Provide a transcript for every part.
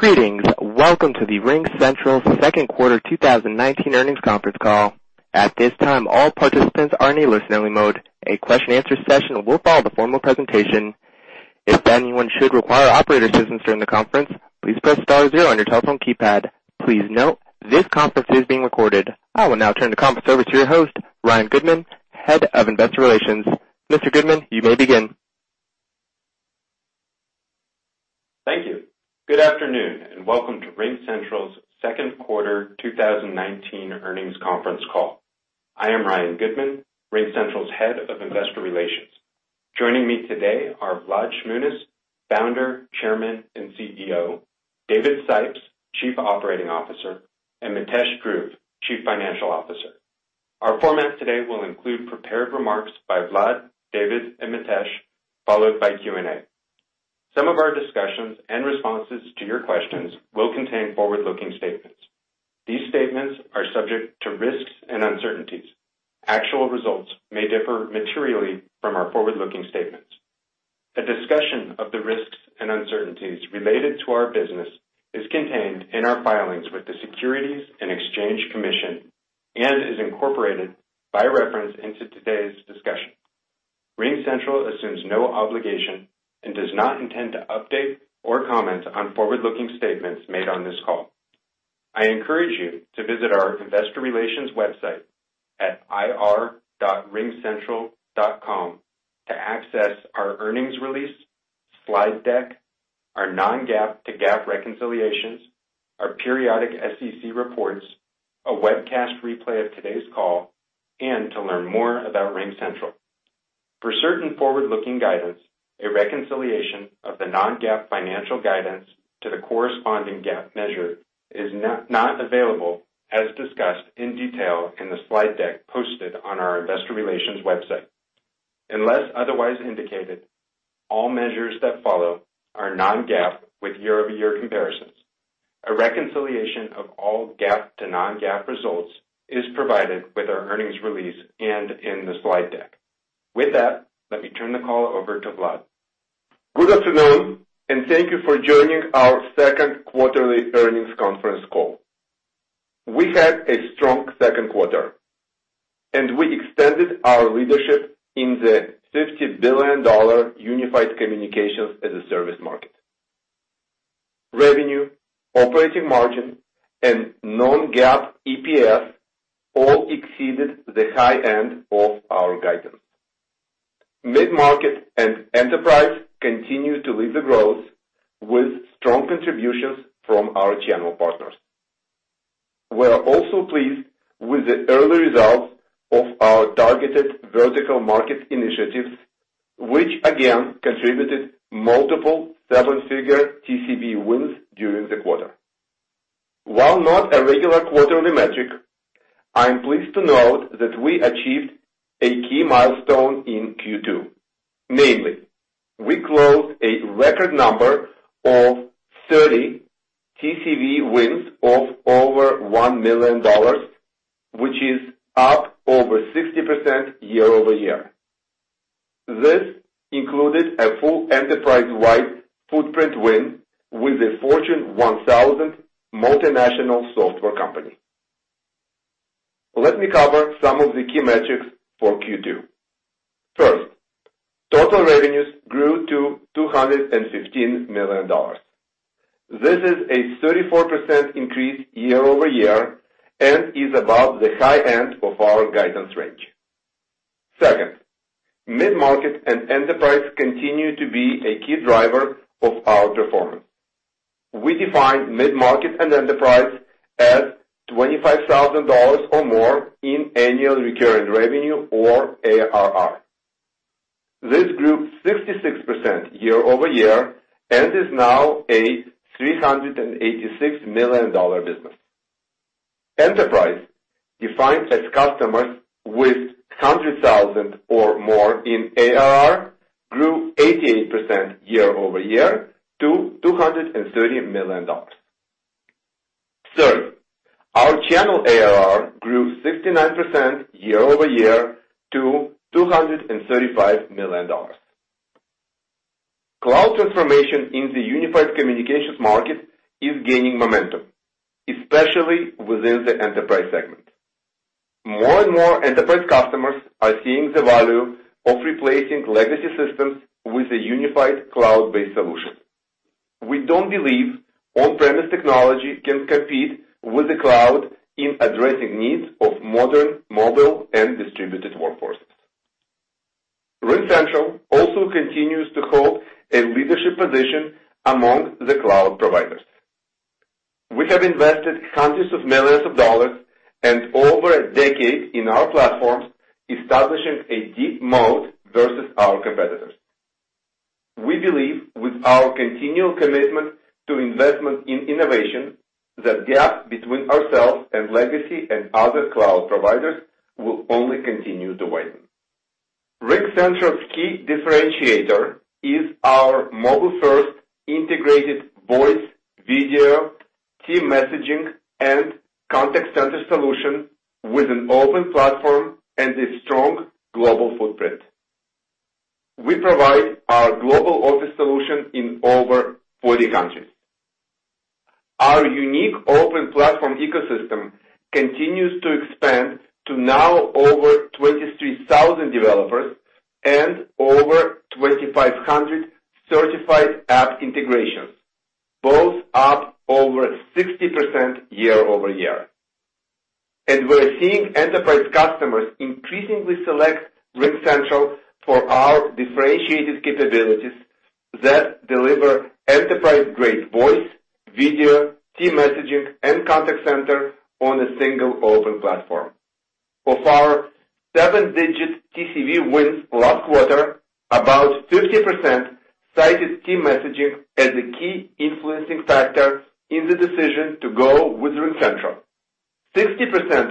Greetings. Welcome to RingCentral's second quarter 2019 earnings conference call. At this time, all participants are in a listen-only mode. A question answer session will follow the formal presentation. If anyone should require operator assistance during the conference, please press star zero on your telephone keypad. Please note, this conference is being recorded. I will now turn the conference over to your host, Ryan Goodman, Head of Investor Relations. Mr. Goodman, you may begin. Thank you. Good afternoon, and welcome to RingCentral's second quarter 2019 earnings conference call. I am Ryan Goodman, RingCentral's Head of Investor Relations. Joining me today are Vlad Shmunis, Founder, Chairman, and CEO, David Sipes, Chief Operating Officer, and Mitesh Dhruv, Chief Financial Officer. Our format today will include prepared remarks by Vlad, David, and Mitesh, followed by Q&A. Some of our discussions and responses to your questions will contain forward-looking statements. These statements are subject to risks and uncertainties. Actual results may differ materially from our forward-looking statements. A discussion of the risks and uncertainties related to our business is contained in our filings with the Securities and Exchange Commission and is incorporated by reference into today's discussion. RingCentral assumes no obligation and does not intend to update or comment on forward-looking statements made on this call. I encourage you to visit our investor relations website at ir.ringcentral.com to access our earnings release, slide deck, our non-GAAP to GAAP reconciliations, our periodic SEC reports, a webcast replay of today's call, and to learn more about RingCentral. For certain forward-looking guidance, a reconciliation of the non-GAAP financial guidance to the corresponding GAAP measure is not available as discussed in detail in the slide deck posted on our investor relations website. Unless otherwise indicated, all measures that follow are non-GAAP with year-over-year comparisons. A reconciliation of all GAAP to non-GAAP results is provided with our earnings release and in the slide deck. With that, let me turn the call over to Vlad. Good afternoon. Thank you for joining our second quarterly earnings conference call. We had a strong second quarter. We extended our leadership in the $50 billion Unified Communications as a Service market. Revenue, operating margin, and non-GAAP EPS all exceeded the high end of our guidance. Mid-Market and enterprise continue to lead the growth with strong contributions from our channel partners. We are also pleased with the early results of our targeted vertical market initiatives, which again contributed multiple seven-figure TCV wins during the quarter. While not a regular quarterly metric, I am pleased to note that we achieved a key milestone in Q2. Namely, we closed a record number of 30 TCV wins of over $1 million, which is up over 60% year-over-year. This included a full enterprise-wide footprint win with a Fortune 1000 multinational software company. Let me cover some of the key metrics for Q2. First, total revenues grew to $215 million. This is a 34% increase year-over-year and is above the high end of our guidance range. Second, mid-market and enterprise continue to be a key driver of our performance. We define mid-market and enterprise as $25,000 or more in annual recurring revenue or ARR. This grew 66% year-over-year and is now a $386 million business. Enterprise, defined as customers with 100,000 or more in ARR, grew 88% year-over-year to $230 million. Third, our channel ARR grew 69% year-over-year to $235 million. Cloud transformation in the unified communications market is gaining momentum, especially within the enterprise segment. More and more enterprise customers are seeing the value of replacing legacy systems with a unified cloud-based solution. We don't believe on-premise technology can compete with the cloud in addressing needs of modern, mobile, and distributed workforces. RingCentral also continues to hold a leadership position among the cloud providers. We have invested hundreds of millions of dollars and over a decade in our platforms, establishing a deep moat versus our competitors. We believe with our continual commitment to investment in innovation, the gap between ourselves and legacy and other cloud providers will only continue to widen. RingCentral's key differentiator is our mobile-first integrated voice, video, team messaging, and contact center solution with an open platform and a strong global footprint. We provide our global office solution in over 40 countries. Our unique open platform ecosystem continues to expand to now over 23,000 developers and over 2,500 certified app integrations, both up over 60% year-over-year. We're seeing enterprise customers increasingly select RingCentral for our differentiated capabilities that deliver enterprise-grade voice, video, team messaging, and contact center on a single open platform. Of our seven-digit TCV wins last quarter, about 50% cited team messaging as a key influencing factor in the decision to go with RingCentral. 60%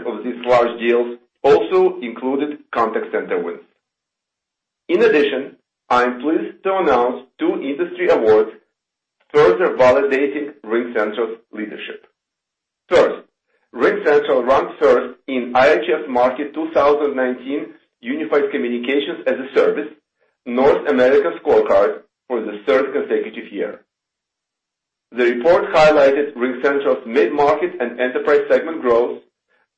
of these large deals also included contact center wins. In addition, I'm pleased to announce two industry awards further validating RingCentral's leadership. First, RingCentral ranked first in IHS Markit 2019 UCaaS North America Scorecard for the third consecutive year. The report highlighted RingCentral's mid-market and enterprise segment growth,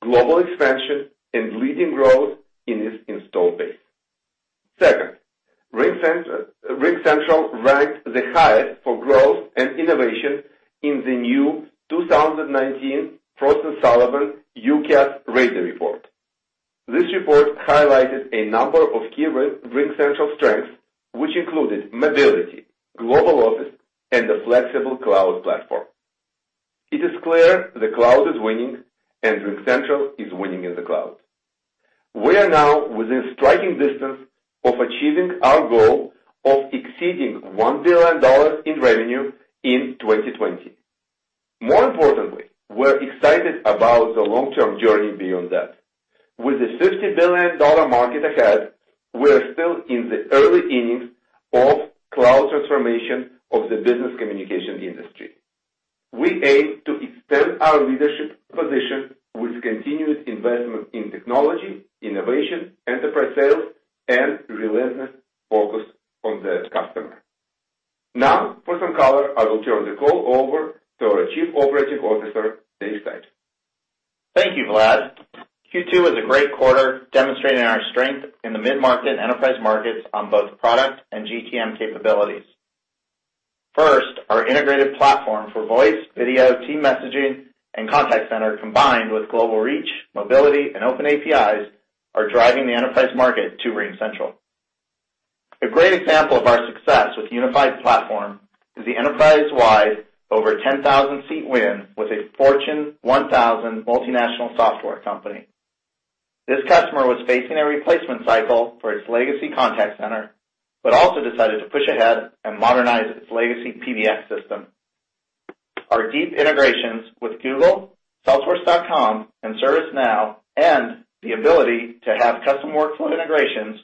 global expansion, and leading growth in its install base. Second, RingCentral ranked the highest for growth and innovation in the new 2019 Frost & Sullivan UCaaS Radar Report. This report highlighted a number of key RingCentral strengths, which included mobility, global office, and a flexible cloud platform. It is clear the cloud is winning, and RingCentral is winning in the cloud. We are now within striking distance of achieving our goal of exceeding $1 billion in revenue in 2020. More importantly, we're excited about the long-term journey beyond that. With a $50 billion market ahead, we're still in the early innings of cloud transformation of the business communication industry. We aim to extend our leadership position with continued investment in technology, innovation, enterprise sales, and relentless focus on the customer. Now, for some color, I will turn the call over to our Chief Operating Officer, David Sipes. Thank you, Vlad. Q2 was a great quarter demonstrating our strength in the mid-market and enterprise markets on both product and GTM capabilities. First, our integrated platform for voice, video, team messaging, and contact center, combined with global reach, mobility, and open APIs, are driving the enterprise market to RingCentral. A great example of our success with unified platform is the enterprise-wide over 10,000-seat win with a Fortune 1000 multinational software company. This customer was facing a replacement cycle for its legacy contact center, but also decided to push ahead and modernize its legacy PBX system. Our deep integrations with Google, Salesforce.com, and ServiceNow, and the ability to have custom workflow integrations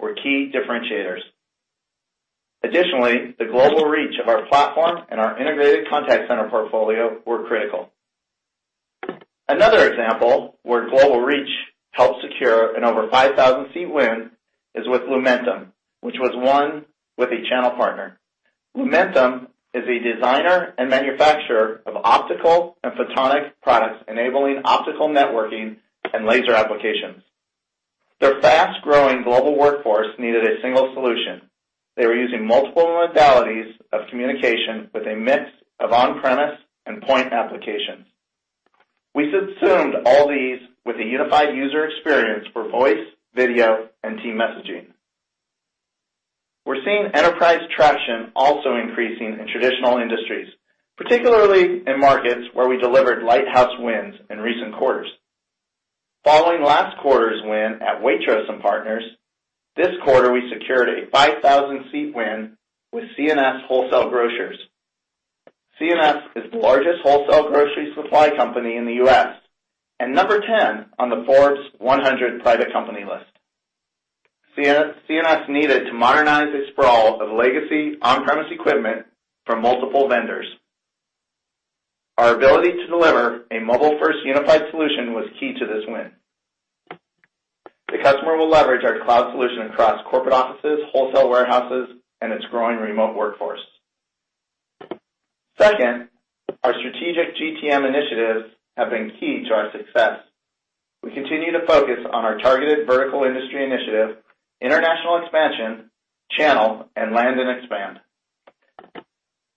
were key differentiators. Additionally, the global reach of our platform and our integrated contact center portfolio were critical. Another example where global reach helped secure an over 5,000-seat win is with Lumentum, which was one with a channel partner. Lumentum is a designer and manufacturer of optical and photonic products enabling optical networking and laser applications. Their fast-growing global workforce needed a single solution. They were using multiple modalities of communication with a mix of on-premise and point applications. We subsumed all these with a unified user experience for voice, video, and team messaging. We're seeing enterprise traction also increasing in traditional industries, particularly in markets where we delivered lighthouse wins in recent quarters. Following last quarter's win at Waitrose & Partners, this quarter, we secured a 5,000-seat win with C&S Wholesale Grocers. C&S is the largest wholesale grocery supply company in the U.S., and number 10 on the Forbes America's Largest Private Companies. C&S needed to modernize a sprawl of legacy on-premise equipment from multiple vendors. Our ability to deliver a mobile-first unified solution was key to this win. The customer will leverage our cloud solution across corporate offices, wholesale warehouses, and its growing remote workforce. Second, our strategic GTM initiatives have been key to our success. We continue to focus on our targeted vertical industry initiative, international expansion, channel, and land and expand.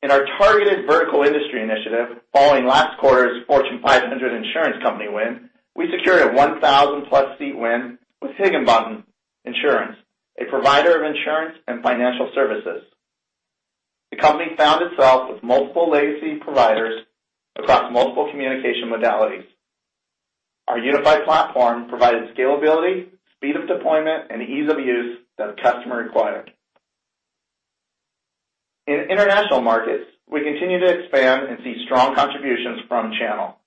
In our targeted vertical industry initiative, following last quarter's Fortune 500 insurance company win, we secured a 1,000-plus seat win with Higginbotham Insurance, a provider of insurance and financial services. The company found itself with multiple legacy providers across multiple communication modalities. Our unified platform provided scalability, speed of deployment, and ease of use that the customer required. In international markets, we continue to expand and see strong contributions from channel.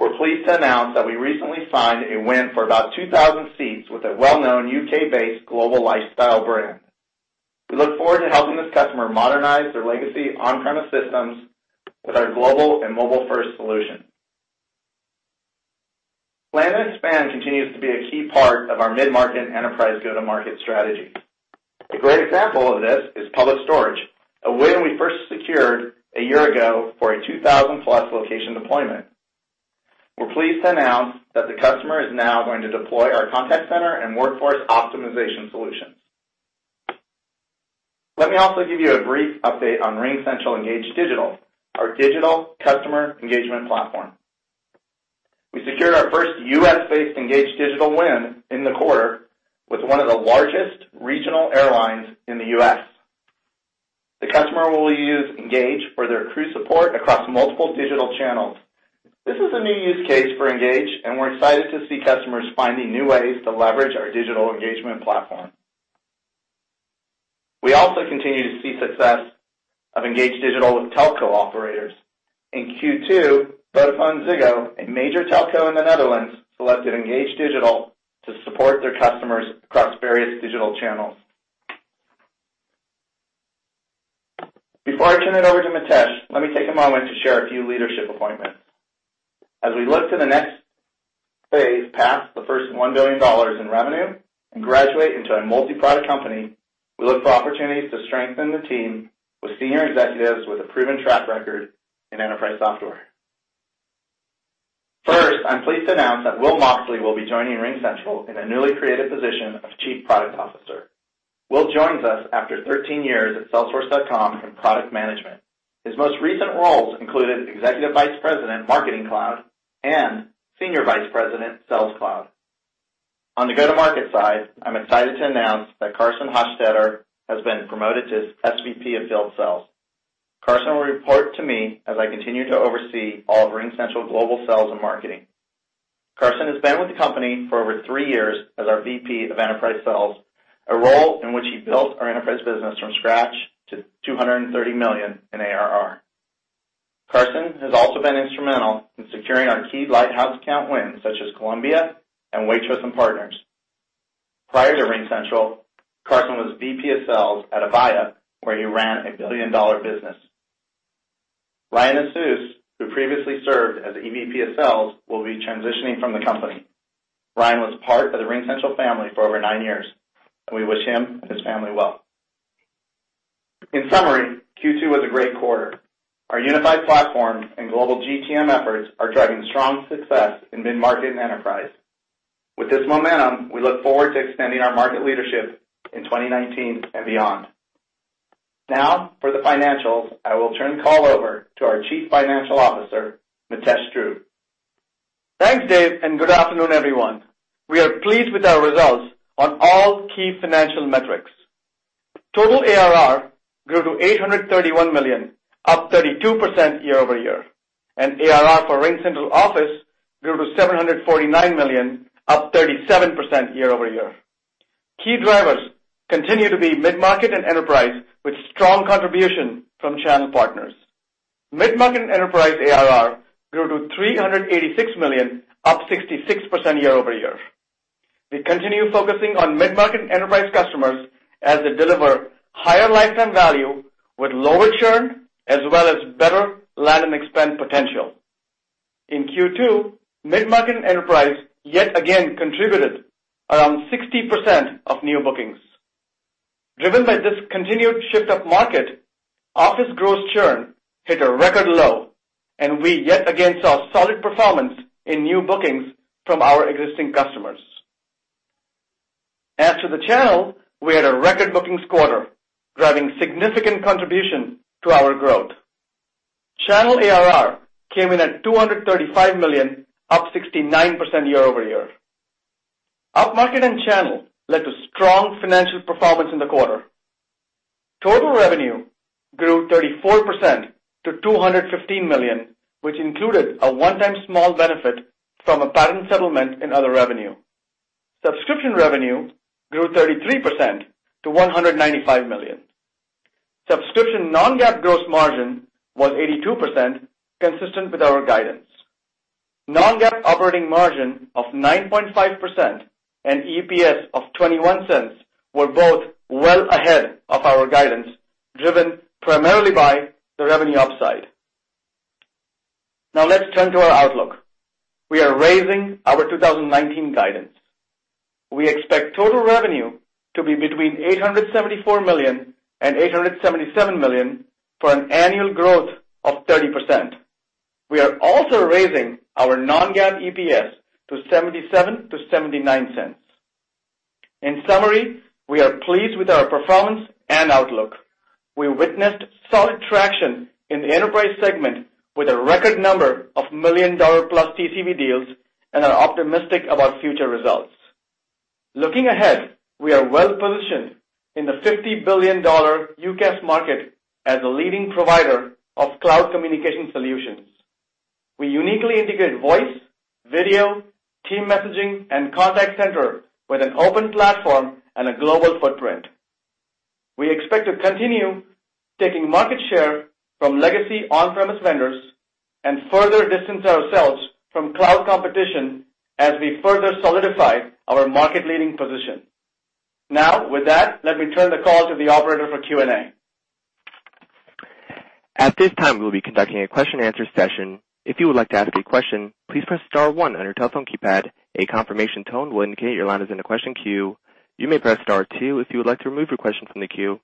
We're pleased to announce that we recently signed a win for about 2,000 seats with a well-known U.K.-based global lifestyle brand. We look forward to helping this customer modernize their legacy on-premise systems with our global and mobile-first solution. Land and expand continues to be a key part of our mid-market enterprise go-to-market strategy. A great example of this is Public Storage, a win we first secured a year ago for a 2,000-plus location deployment. We're pleased to announce that the customer is now going to deploy our contact center and workforce optimization solutions. Let me also give you a brief update on RingCentral Engage Digital, our digital customer engagement platform. We secured our first U.S.-based Engage Digital win in the quarter with one of the largest regional airlines in the U.S. The customer will use Engage for their crew support across multiple digital channels. This is a new use case for Engage, and we're excited to see customers finding new ways to leverage our digital engagement platform. We also continue to see success of Engage Digital with telco operators. In Q2, VodafoneZiggo, a major telco in the Netherlands, selected Engage Digital to support their customers across various digital channels. Before I turn it over to Mitesh, let me take a moment to share a few leadership appointments. As we look to the next phase, past the first $1 billion in revenue and graduate into a multi-product company, we look for opportunities to strengthen the team with senior executives with a proven track record in enterprise software. First, I'm pleased to announce that Will Moxley will be joining RingCentral in a newly created position of Chief Product Officer. Will joins us after 13 years at salesforce.com in product management. His most recent roles included Executive Vice President, Marketing Cloud, and Senior Vice President, Sales Cloud. On the go-to-market side, I'm excited to announce that Carson Hostetter has been promoted to SVP of Field Sales. Carson will report to me as I continue to oversee all of RingCentral global sales and marketing. Carson has been with the company for over three years as our VP of Enterprise Sales, a role in which he built our enterprise business from scratch to $230 million in ARR. Carson has also been instrumental in securing our key lighthouse account wins, such as Columbia and Waitrose & Partners. Prior to RingCentral, Carson was VP of Sales at Avaya, where he ran a billion-dollar business. Ryan Azus, who previously served as EVP of Sales, will be transitioning from the company. Ryan was part of the RingCentral family for over nine years. We wish him and his family well. In summary, Q2 was a great quarter. Our unified platform and global GTM efforts are driving strong success in mid-market and enterprise. With this momentum, we look forward to extending our market leadership in 2019 and beyond. Now, for the financials, I will turn the call over to our Chief Financial Officer, Mitesh Dhruv. Thanks, Dave. Good afternoon, everyone. We are pleased with our results on all key financial metrics. Total ARR grew to $831 million, up 32% year-over-year. ARR for RingCentral Office grew to $749 million, up 37% year-over-year. Key drivers continue to be mid-market and enterprise, with strong contribution from channel partners. Mid-market and enterprise ARR grew to $386 million, up 66% year-over-year. We continue focusing on mid-market and enterprise customers as they deliver higher lifetime value with lower churn as well as better land and expand potential. In Q2, mid-market and enterprise yet again contributed around 60% of new bookings. Driven by this continued shift up-market, office gross churn hit a record low. We yet again saw solid performance in new bookings from our existing customers. As to the channel, we had a record bookings quarter, driving significant contribution to our growth. Channel ARR came in at $235 million, up 69% year-over-year. Upmarket and channel led to strong financial performance in the quarter. Total revenue grew 34% to $215 million, which included a one-time small benefit from a patent settlement in other revenue. Subscription revenue grew 33% to $195 million. Subscription non-GAAP gross margin was 82%, consistent with our guidance. Non-GAAP operating margin of 9.5% and EPS of $0.21 were both well ahead of our guidance, driven primarily by the revenue upside. Let's turn to our outlook. We are raising our 2019 guidance. We expect total revenue to be between $874 million-$877 million for an annual growth of 30%. We are also raising our non-GAAP EPS to $0.77-$0.79. In summary, we are pleased with our performance and outlook. We witnessed solid traction in the enterprise segment with a record number of million-dollar-plus TCV deals and are optimistic about future results. Looking ahead, we are well-positioned in the $50 billion UCaaS market as a leading provider of cloud communication solutions. We uniquely integrate voice, video, team messaging, and contact center with an open platform and a global footprint. We expect to continue taking market share from legacy on-premise vendors and further distance ourselves from cloud competition as we further solidify our market-leading position. With that, let me turn the call to the operator for Q&A At this time, we'll be conducting a question and answer session. If you would like to ask a question, please press star one on your telephone keypad. A confirmation tone will indicate your line is in the question queue. You may press star two if you would like to remove your question from the queue.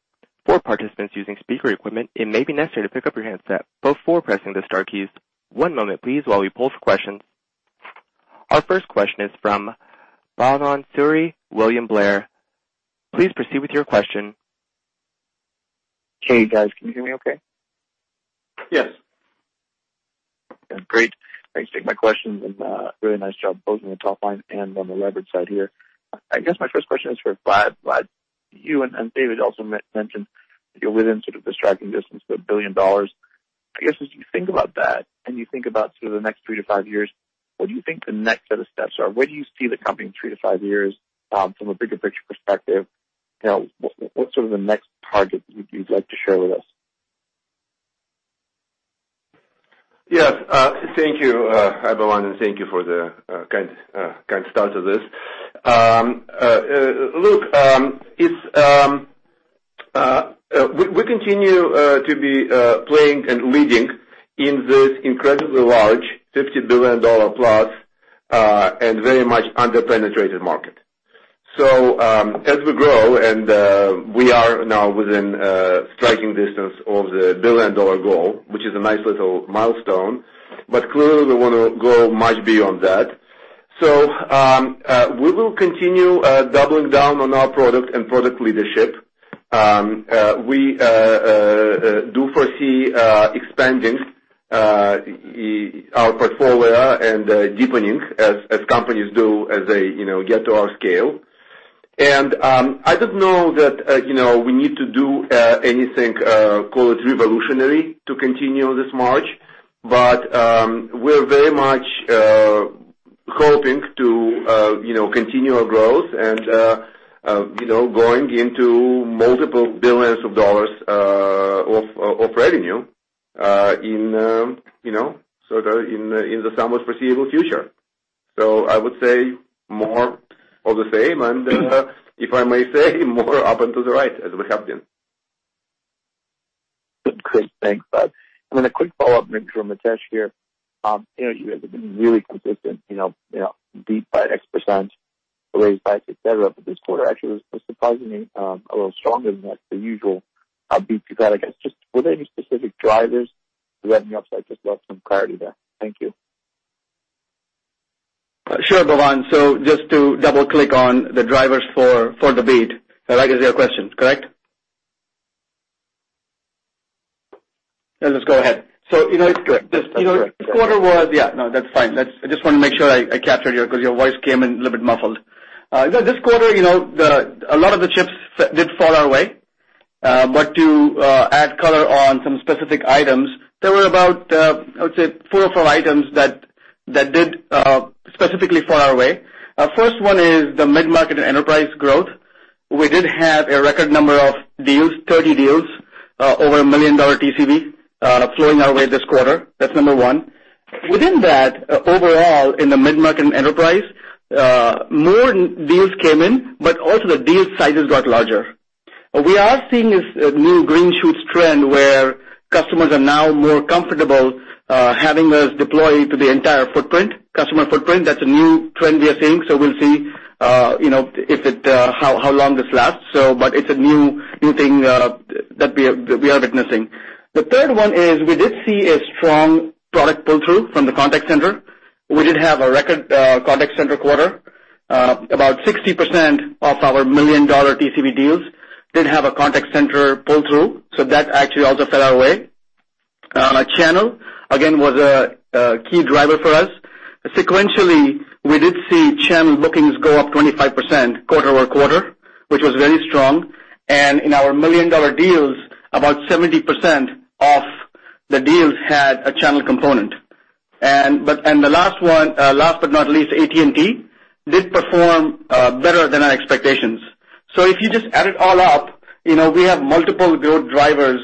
For participants using speaker equipment, it may be necessary to pick up your handset before pressing the star keys. One moment please, while we pull for questions. Our first question is from Bhavan Suri, William Blair. Please proceed with your question. Hey, guys. Can you hear me okay? Yes. Yeah. Great. Thanks for taking my questions, and really nice job both on the top line and on the leverage side here. I guess my first question is for Vlad. Vlad, you and David also mentioned that you're within sort of the striking distance of $1 billion. I guess, as you think about that, and you think about sort of the next three to five years, what do you think the next set of steps are? Where do you see the company in three to five years from a bigger picture perspective? What's sort of the next target you'd like to share with us? Yes. Thank you, Bhavan, and thank you for the kind start to this. Look, we continue to be playing and leading in this incredibly large, $50 billion-plus, and very much under-penetrated market. As we grow, and we are now within striking distance of the billion-dollar goal, which is a nice little milestone, but clearly we want to go much beyond that. We will continue doubling down on our product and product leadership. We do foresee expanding our portfolio and deepening, as companies do, as they get to our scale. I don't know that we need to do anything, call it revolutionary, to continue this march. We're very much hoping to continue our growth and going into multiple billions of dollars of revenue in the somewhat foreseeable future. I would say more of the same, and if I may say, more up into the right as we have been. Good. Great. Thanks, Vlad. Then a quick follow-up, maybe for Mitesh here. You guys have been really consistent, beat by X%, raise price, et cetera, but this quarter actually was surprisingly a little stronger than the usual beat you've had. I guess, just were there any specific drivers leading up? I'd just love some clarity there. Thank you. Sure, Bhavan. Just to double-click on the drivers for the beat. That is your question, correct? Let's go ahead. It's correct. This quarter was Yeah, no, that's fine. I just want to make sure I captured you because your voice came in a little bit muffled. This quarter, a lot of the chips did fall our way. To add color on some specific items, there were about, I would say, four or five items that did specifically fall our way. First one is the mid-market and enterprise growth. We did have a record number of deals, 30 deals, over a $1 million TCV, flowing our way this quarter. That's number one. Within that, overall in the mid-market and enterprise, more deals came in, but also the deal sizes got larger. We are seeing this new green shoots trend where customers are now more comfortable having us deploy to the entire footprint, customer footprint. That's a new trend we are seeing, so we'll see how long this lasts. It's a new thing that we are witnessing. The third one is we did see a strong product pull-through from the contact center. We did have a record contact center quarter. About 60% of our million-dollar TCV deals did have a contact center pull-through, that actually also fell our way. Channel, again, was a key driver for us. Sequentially, we did see channel bookings go up 25% quarter-over-quarter, which was very strong. In our million-dollar deals, about 70% of the deals had a channel component. The last one, last but not least, AT&T did perform better than our expectations. If you just add it all up, we have multiple growth drivers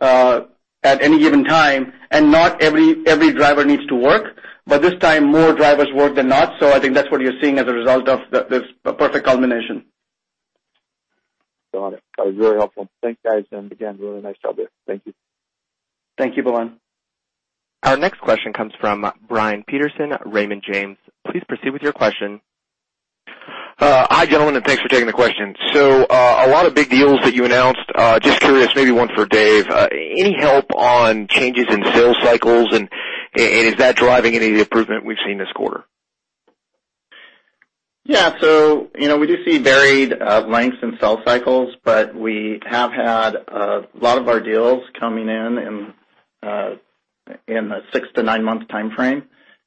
at any given time, and not every driver needs to work. This time, more drivers worked than not. I think that's what you're seeing as a result of this perfect culmination. Got it. That was very helpful. Thanks, guys. Again, really nice job there. Thank you. Thank you, Bhavan. Our next question comes from Brian Peterson, Raymond James. Please proceed with your question. Hi, gentlemen. Thanks for taking the question. A lot of big deals that you announced. Just curious, maybe one for Dave, any help on changes in sales cycles, and is that driving any of the improvement we've seen this quarter? Yeah. We do see varied lengths in sales cycles, but we have had a lot of our deals coming in the six to nine-month timeframe.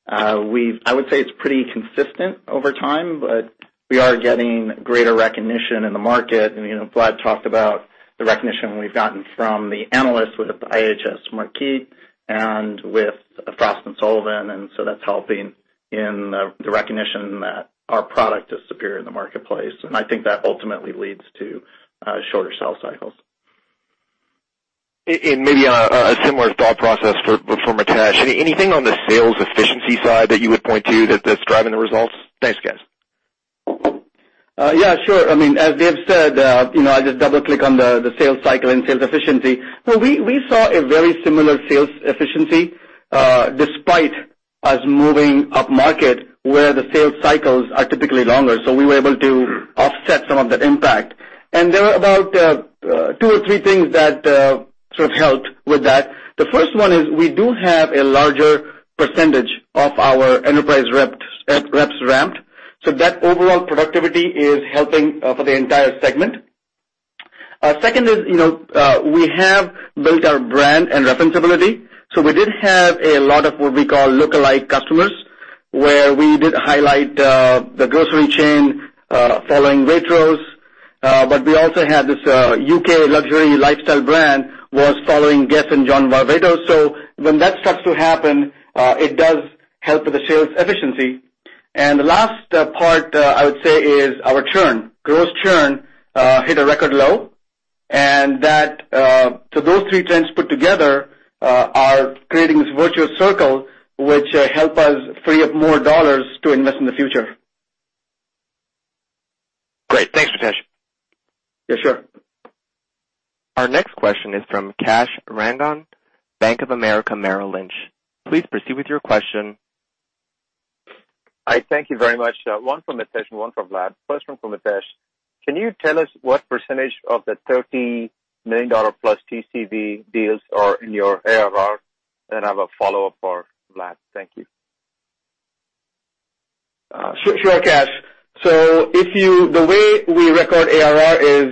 I would say it's pretty consistent over time, but we are getting greater recognition in the market. Vlad talked about the recognition we've gotten from the analysts with IHS Markit and with Frost & Sullivan, so that's helping in the recognition that our product is superior in the marketplace. I think that ultimately leads to shorter sales cycles. Maybe on a similar thought process for Mitesh? Anything on the sales efficiency side that you would point to that's driving the results? Thanks, guys. Yeah, sure. As Dave said, I'll just double-click on the sales cycle and sales efficiency. We saw a very similar sales efficiency despite us moving upmarket where the sales cycles are typically longer. We were able to offset some of that impact. There are about two or three things that helped with that. The first one is we do have a larger percentage of our enterprise reps ramped. That overall productivity is helping for the entire segment. Second is, we have built our brand and referencability. We did have a lot of what we call lookalike customers, where we did highlight the grocery chain following Waitrose. We also had this U.K. luxury lifestyle brand was following Guess and John Varvatos. When that starts to happen, it does help with the sales efficiency. The last part I would say is our churn. Gross churn hit a record low. Those three trends put together are creating this virtuous circle, which help us free up more dollars to invest in the future. Great. Thanks, Mitesh. Yeah, sure. Our next question is from Kash Rangan, Bank of America, Merrill Lynch. Please proceed with your question. Hi. Thank you very much. One for Mitesh, one for Vlad. First one for Mitesh. Can you tell us what % of the $30 million-plus TCV deals are in your ARR? I have a follow-up for Vlad. Thank you. Sure, Kash. The way we record ARR is,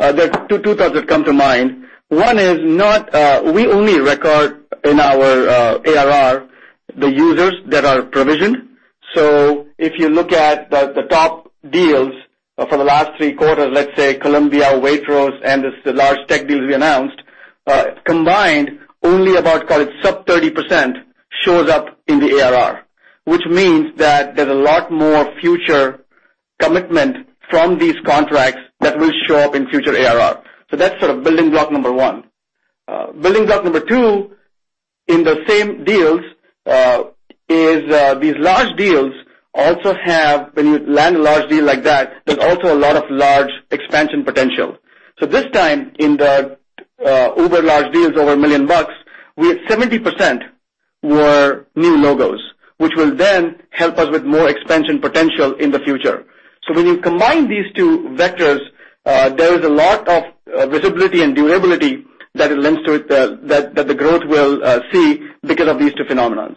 there are two thoughts that come to mind. One is we only record in our ARR the users that are provisioned. If you look at the top deals for the last three quarters, let's say Columbia, Waitrose, and this large tech deal we announced, combined, only about sub 30% shows up in the ARR, which means that there's a lot more future commitment from these contracts that will show up in future ARR. That's building block number one. Building block number two, in the same deals, is these large deals also have, when you land a large deal like that, there's also a lot of large expansion potential. This time, in the uber large deals over $1 million, we had 70% were new logos, which will then help us with more expansion potential in the future. When you combine these two vectors, there is a lot of visibility and durability that it lends to it that the growth will see because of these two phenomenons.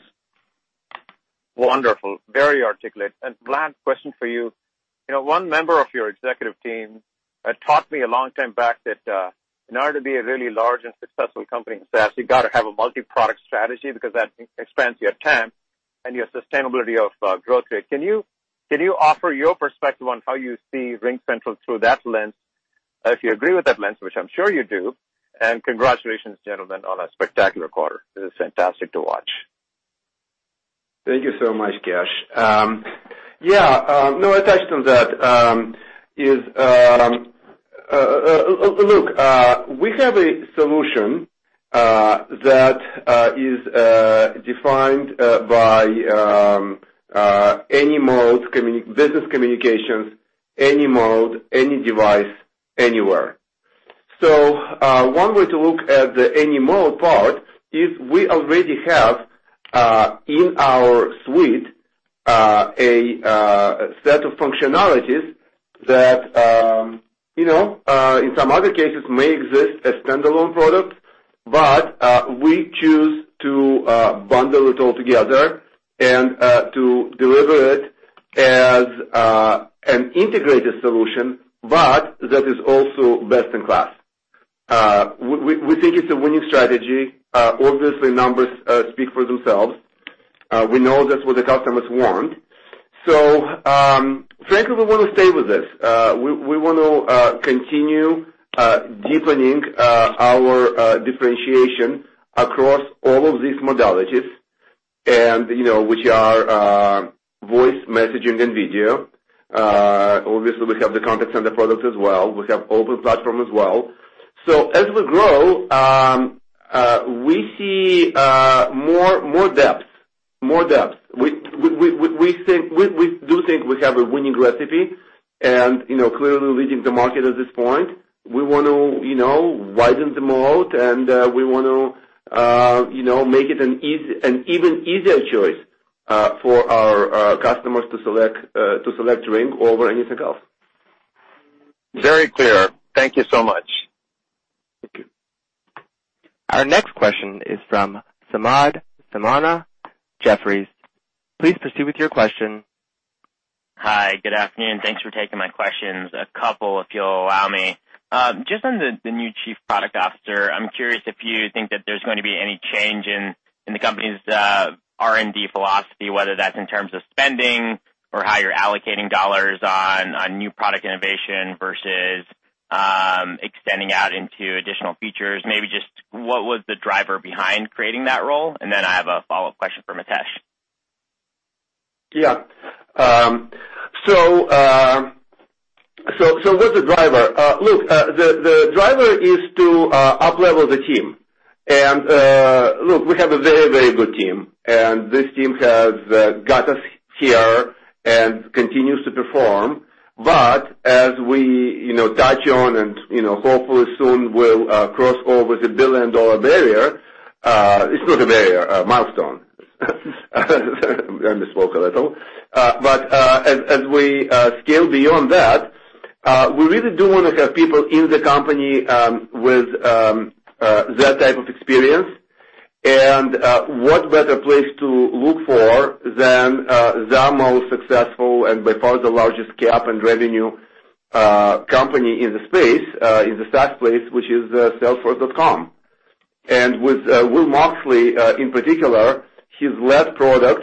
Wonderful. Very articulate. Vlad, question for you. One member of your executive team taught me a long time back that in order to be a really large and successful company in SaaS, you got to have a multi-product strategy because that expands your TAM and your sustainability of growth rate. Can you offer your perspective on how you see RingCentral through that lens, if you agree with that lens, which I'm sure you do? Congratulations, gentlemen, on a spectacular quarter. It is fantastic to watch. Thank you so much, Kash. Yeah. No, attached on that is, look, we have a solution that is defined by any mode, business communications, any mode, any device, anywhere. One way to look at the any mode part is we already have, in our suite, a set of functionalities that in some other cases may exist as standalone products, but we choose to bundle it all together and to deliver it as an integrated solution, but that is also best in class. We think it's a winning strategy. Obviously, numbers speak for themselves. We know that's what the customers want. Frankly, we want to stay with this. We want to continue deepening our differentiation across all of these modalities, which are voice, messaging, and video. Obviously, we have the contact center products as well. We have open platform as well. As we grow, we see more depth. We do think we have a winning recipe and clearly leading the market at this point. We want to widen the moat, and we want to make it an even easier choice for our customers to select Ring over anything else. Very clear. Thank you so much. Thank you. Our next question is from Samad Samana, Jefferies. Please proceed with your question. Hi. Good afternoon. Thanks for taking my questions. A couple, if you'll allow me. Just on the new chief product officer, I'm curious if you think that there's going to be any change in the company's R&D philosophy, whether that's in terms of spending or how you're allocating dollars on new product innovation versus extending out into additional features. Maybe just what was the driver behind creating that role? Then I have a follow-up question for Mitesh. What's the driver? The driver is to up-level the team. Look, we have a very good team, and this team has got us here and continues to perform. As we touch on and hopefully soon will cross over the billion-dollar barrier. It's not a barrier, a milestone. I misspoke a little. As we scale beyond that, we really do want to have people in the company with that type of experience. What better place to look for than the most successful and by far the largest cap and revenue company in the space, in the SaaS place, which is Salesforce.com. With Will Moxley, in particular, he's led product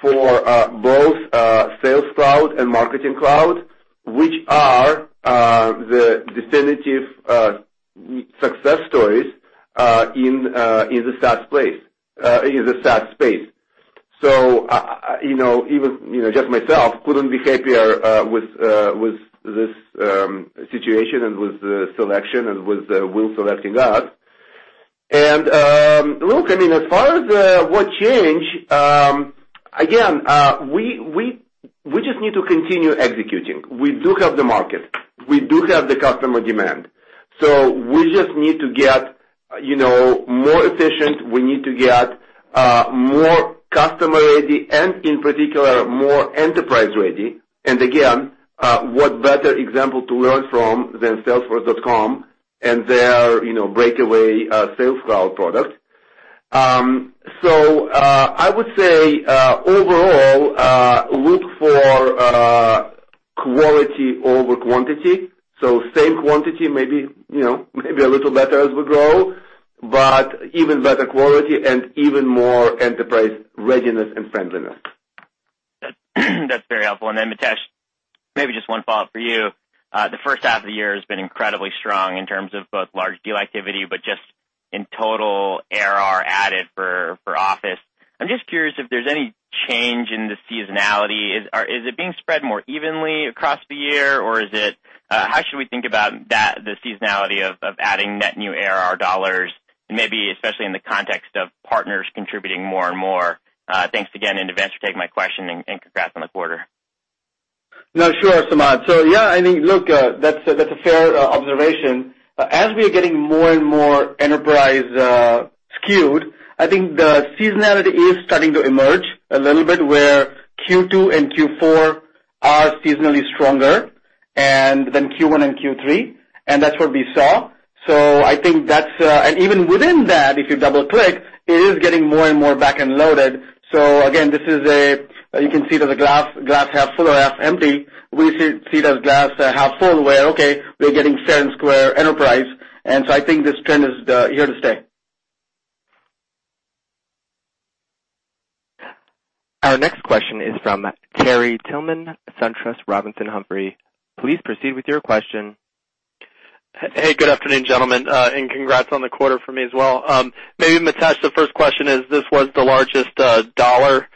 for both Sales Cloud and Marketing Cloud, which are the definitive success stories in the SaaS space. Even just myself couldn't be happier with this situation and with the selection and with Will selecting us. Look, as far as what change, again, we just need to continue executing. We do have the market. We do have the customer demand. We just need to get more efficient. We need to get more customer-ready and, in particular, more enterprise-ready. Again, what better example to learn from than Salesforce.com and their breakaway Sales Cloud product. I would say, overall, look for quality over quantity. Same quantity, maybe a little better as we grow, but even better quality and even more enterprise readiness and friendliness. That's very helpful. Mitesh, maybe just one follow-up for you. The first half of the year has been incredibly strong in terms of both large deal activity, but just in total ARR added for Office. I'm just curious if there's any change in the seasonality. Is it being spread more evenly across the year? How should we think about the seasonality of adding net new ARR dollars, and maybe especially in the context of partners contributing more and more? Thanks again in advance for taking my question, and congrats on the quarter. No, sure, Samad. Yeah, I think, look, that's a fair observation. As we are getting more and more enterprise skewed, I think the seasonality is starting to emerge a little bit where Q2-Q4 are seasonally stronger than Q1-Q3, and that's what we saw. And even within that, if you double-click, it is getting more and more back-end loaded. Again, you can see that the glass half full or half empty. We see the glass half full, where, okay, we're getting fair and square enterprise, and so I think this trend is here to stay. Our next question is from Terry Tillman, SunTrust Robinson Humphrey. Please proceed with your question. Good afternoon, gentlemen, and congrats on the quarter from me as well. Maybe Mitesh, the first question is, this was the largest dollar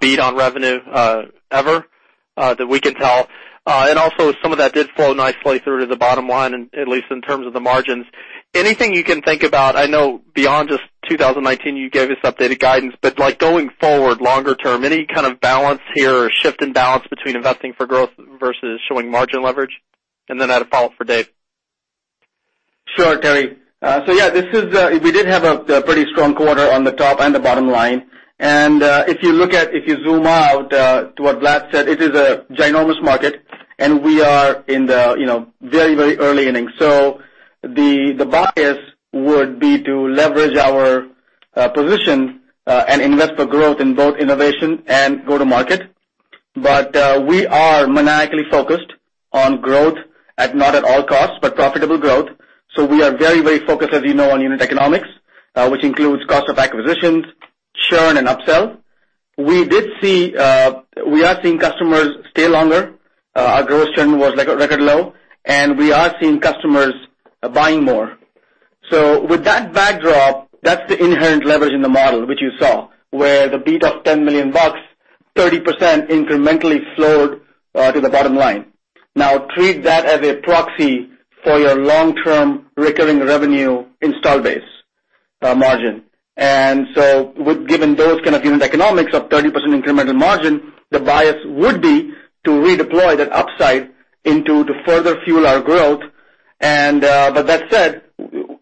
beat on revenue ever that we can tell. Also, some of that did flow nicely through to the bottom line, at least in terms of the margins. Anything you can think about, I know beyond just 2019, you gave us updated guidance, but like going forward, longer term, any kind of balance here or shift in balance between investing for growth versus showing margin leverage? Then I had a follow-up for Dave. Sure, Terry. Yeah, we did have a pretty strong quarter on the top and the bottom line. If you zoom out to what Vlad said, it is a ginormous market, and we are in the very early innings. The bias would be to leverage our position and invest for growth in both innovation and go to market. We are maniacally focused on growth at not at all costs, but profitable growth. We are very focused, as you know, on unit economics, which includes cost of acquisitions, churn, and upsell. We are seeing customers stay longer. Our growth churn was record low, and we are seeing customers buying more. With that backdrop, that's the inherent leverage in the model which you saw, where the beat of $10 million, 30% incrementally flowed to the bottom line. Treat that as a proxy for your long-term recurring revenue install base margin. Given those kind of unit economics of 30% incremental margin, the bias would be to redeploy that upside into further fuel our growth. That said,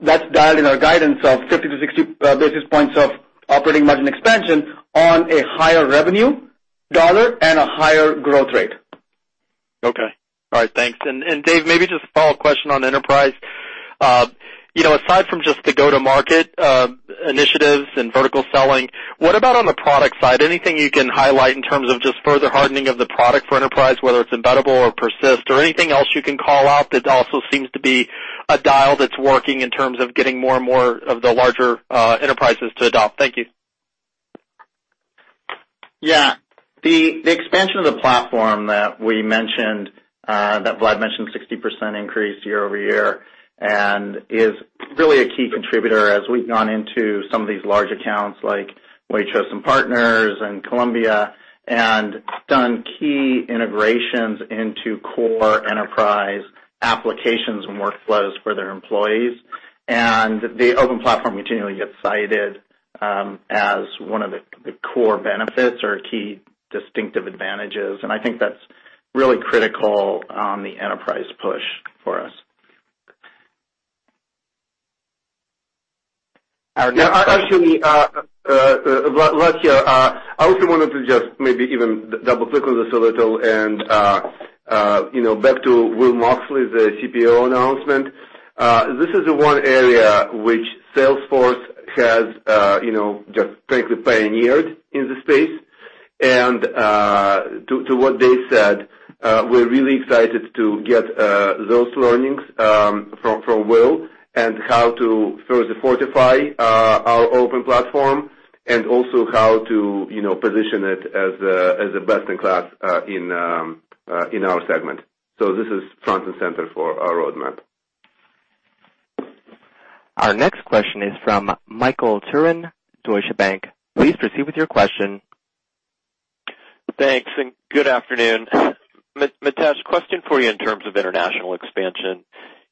that's dialed in our guidance of 50-60 basis points of operating margin expansion on a higher revenue dollar and a higher growth rate. Okay. All right. Thanks. Dave, maybe just a follow-up question on enterprise. Aside from just the go-to-market initiatives and vertical selling, what about on the product side? Anything you can highlight in terms of just further hardening of the product for enterprise, whether it's embeddable or persist or anything else you can call out that also seems to be a dial that's working in terms of getting more and more of the larger enterprises to adopt? Thank you. The expansion of the platform that Vlad mentioned, 60% increase year-over-year, is really a key contributor as we've gone into some of these large accounts, like Waitrose & Partners and Columbia, and done key integrations into core enterprise applications and workflows for their employees. The open platform continually gets cited as one of the. core benefits or key distinctive advantages, and I think that's really critical on the enterprise push for us. Actually, Vatsal here. I also wanted to just maybe even double-click on this a little and back to Will Moxley, the CPO announcement. This is the one area which Salesforce has just frankly pioneered in the space. To what they said, we're really excited to get those learnings from Will and how to further fortify our open platform and also how to position it as a best-in-class in our segment. This is front and center for our roadmap. Our next question is from Michael Turrin, Deutsche Bank. Please proceed with your question. Thanks, and good afternoon. Mitesh, question for you in terms of international expansion.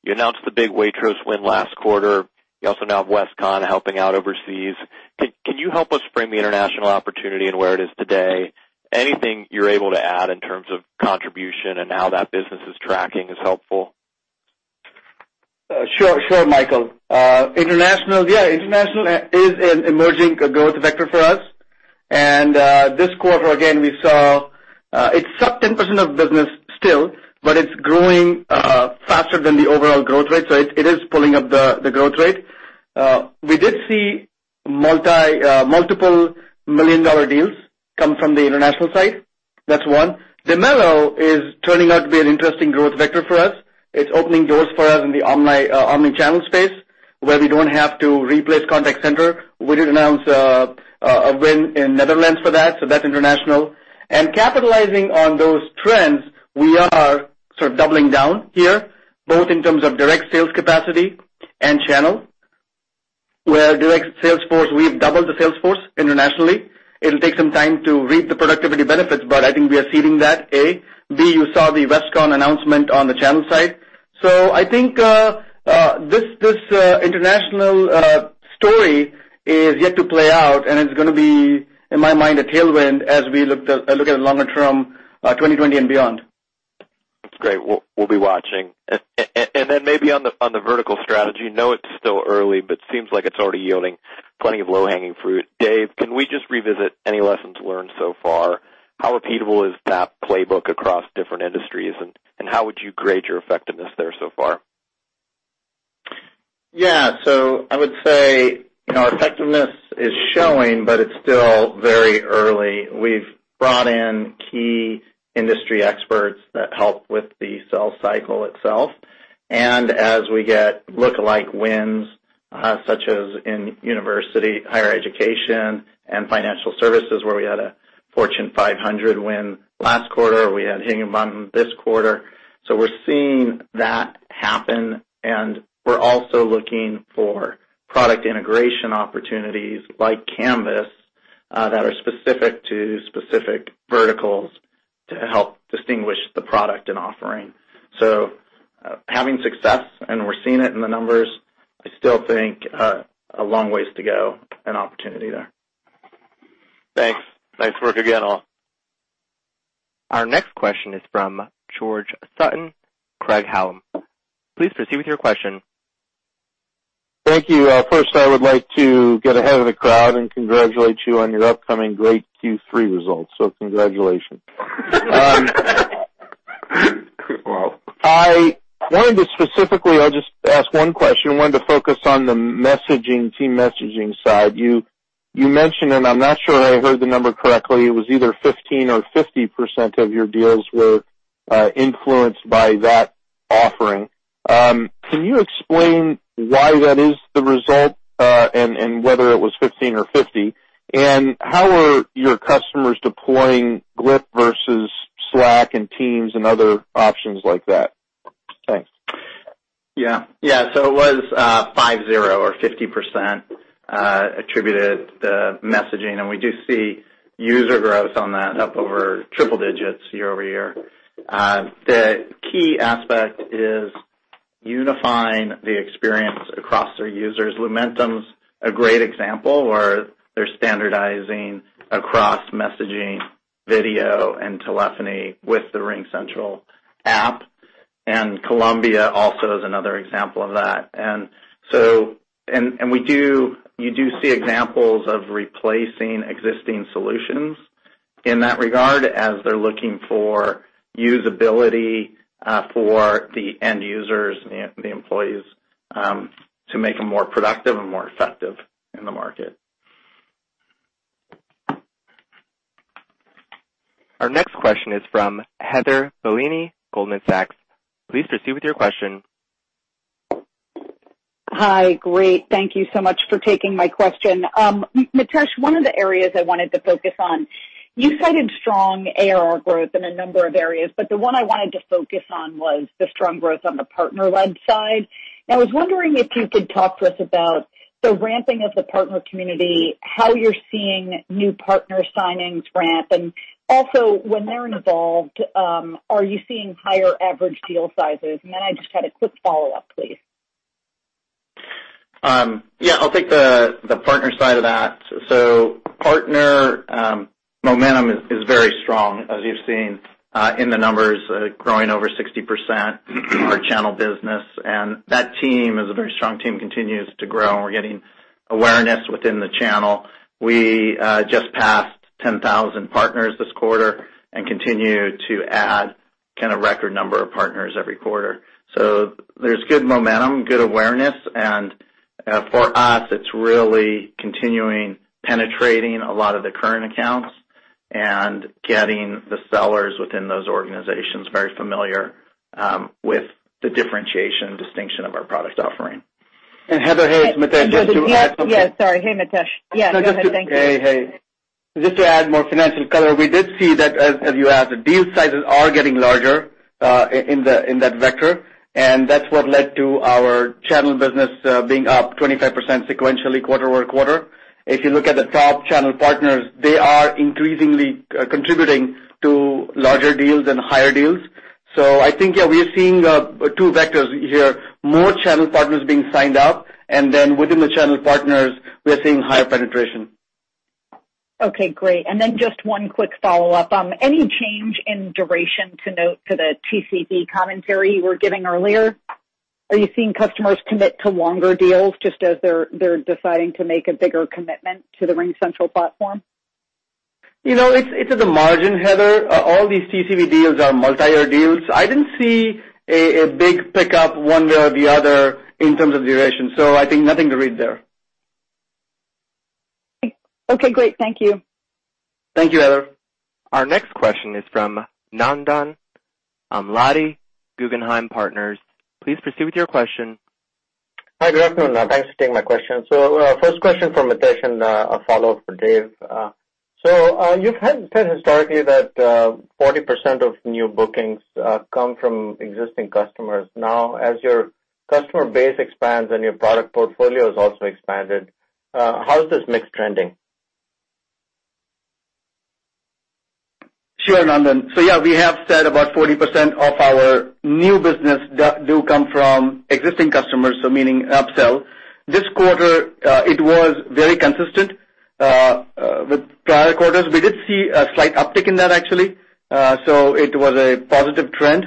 You announced the big Waitrose win last quarter. You also now have Westcon helping out overseas. Can you help us frame the international opportunity and where it is today? Anything you're able to add in terms of contribution and how that business is tracking is helpful. Sure, Michael. International is an emerging growth vector for us. This quarter, again, we saw it's sub 10% of business still, but it's growing faster than the overall growth rate, so it is pulling up the growth rate. We did see multiple million-dollar deals come from the international side. That's one. Dimelo is turning out to be an interesting growth vector for us. It's opening doors for us in the omni-channel space, where we don't have to replace contact center. We did announce a win in Netherlands for that, so that's international. Capitalizing on those trends, we are sort of doubling down here, both in terms of direct sales capacity and channel, where direct sales force, we've doubled the sales force internationally. It'll take some time to reap the productivity benefits, but I think we are seeding that, A. B, you saw the Westcon announcement on the channel side. I think this international story is yet to play out, and it's going to be, in my mind, a tailwind as we look at longer term 2020 and beyond. That's great. We'll be watching. Maybe on the vertical strategy, know it's still early, but seems like it's already yielding plenty of low-hanging fruit. Dave, can we just revisit any lessons learned so far? How repeatable is that playbook across different industries, and how would you grade your effectiveness there so far? I would say our effectiveness is showing, but it's still very early. We've brought in key industry experts that help with the sell cycle itself. As we get lookalike wins, such as in university, higher education, and financial services, where we had a Fortune 500 win last quarter, we had Higginbotham this quarter. We're seeing that happen, and we're also looking for product integration opportunities like Canvas that are specific to specific verticals to help distinguish the product and offering. Having success, and we're seeing it in the numbers, I still think a long ways to go and opportunity there. Thanks. Nice work again, all. Our next question is from George Sutton, Craig-Hallum. Please proceed with your question. Thank you. First, I would like to get ahead of the crowd and congratulate you on your upcoming great Q3 results. Congratulations. Well. I wanted to specifically, I'll just ask one question. I wanted to focus on the team messaging side. You mentioned, I'm not sure I heard the number correctly, it was either 15 or 50% of your deals were influenced by that offering. Can you explain why that is the result, whether it was 15 or 50? How are your customers deploying Glip versus Slack and Teams and other options like that? Thanks. It was five, zero, or 50% attributed to messaging, and we do see user growth on that up over triple digits year-over-year. The key aspect is unifying the experience across their users. Lumentum's a great example, where they're standardizing across messaging, video, and telephony with the RingCentral app. Columbia also is another example of that. You do see examples of replacing existing solutions in that regard as they're looking for usability for the end users, the employees, to make them more productive and more effective in the market. Our next question is from Heather Bellini, Goldman Sachs. Please proceed with your question. Hi. Great. Thank you so much for taking my question. Mitesh, one of the areas I wanted to focus on, you cited strong ARR growth in a number of areas, but the one I wanted to focus on was the strong growth on the partner-led side. I was wondering if you could talk to us about the ramping of the partner community, how you're seeing new partner signings ramp, and also when they're involved, are you seeing higher average deal sizes? Then I just had a quick follow-up, please. Yeah, I'll take the partner side of that. Partner momentum is very strong, as you've seen in the numbers, growing over 60% our channel business, and that team is a very strong team, continues to grow, and we're getting awareness within the channel. We just passed 10,000 partners this quarter and continue to add kind of record number of partners every quarter. There's good momentum, good awareness, and for us, it's really continuing penetrating a lot of the current accounts and getting the sellers within those organizations very familiar with the differentiation distinction of our product offering. Heather, hey, it's Mitesh. Just to add something. Yeah, sorry. Hey, Mitesh. Yeah, go ahead. Thank you. Hey. Just to add more financial color, we did see that as you asked, deal sizes are getting larger in that vector, and that's what led to our channel business being up 25% sequentially quarter-over-quarter. If you look at the top channel partners, they are increasingly contributing to larger deals and higher deals. I think, yeah, we are seeing two vectors here, more channel partners being signed up, and then within the channel partners, we are seeing higher penetration. Okay, great. Just one quick follow-up. Any change in duration to note to the TCV commentary you were giving earlier? Are you seeing customers commit to longer deals just as they're deciding to make a bigger commitment to the RingCentral platform? It's at the margin, Heather. All these TCV deals are multi-year deals. I didn't see a big pickup one way or the other in terms of duration. I think nothing to read there. Okay, great. Thank you. Thank you, Heather. Our next question is from Nandan Amladi, Guggenheim Partners. Please proceed with your question. Hi. Good afternoon. Thanks for taking my question. First question for Mitesh and a follow-up for Dave. You've had historically that 40% of new bookings come from existing customers. Now, as your customer base expands and your product portfolio has also expanded, how is this mix trending? Sure, Nandan. Yeah, we have said about 40% of our new business do come from existing customers, so meaning upsell. This quarter, it was very consistent with prior quarters. We did see a slight uptick in that, actually. It was a positive trend.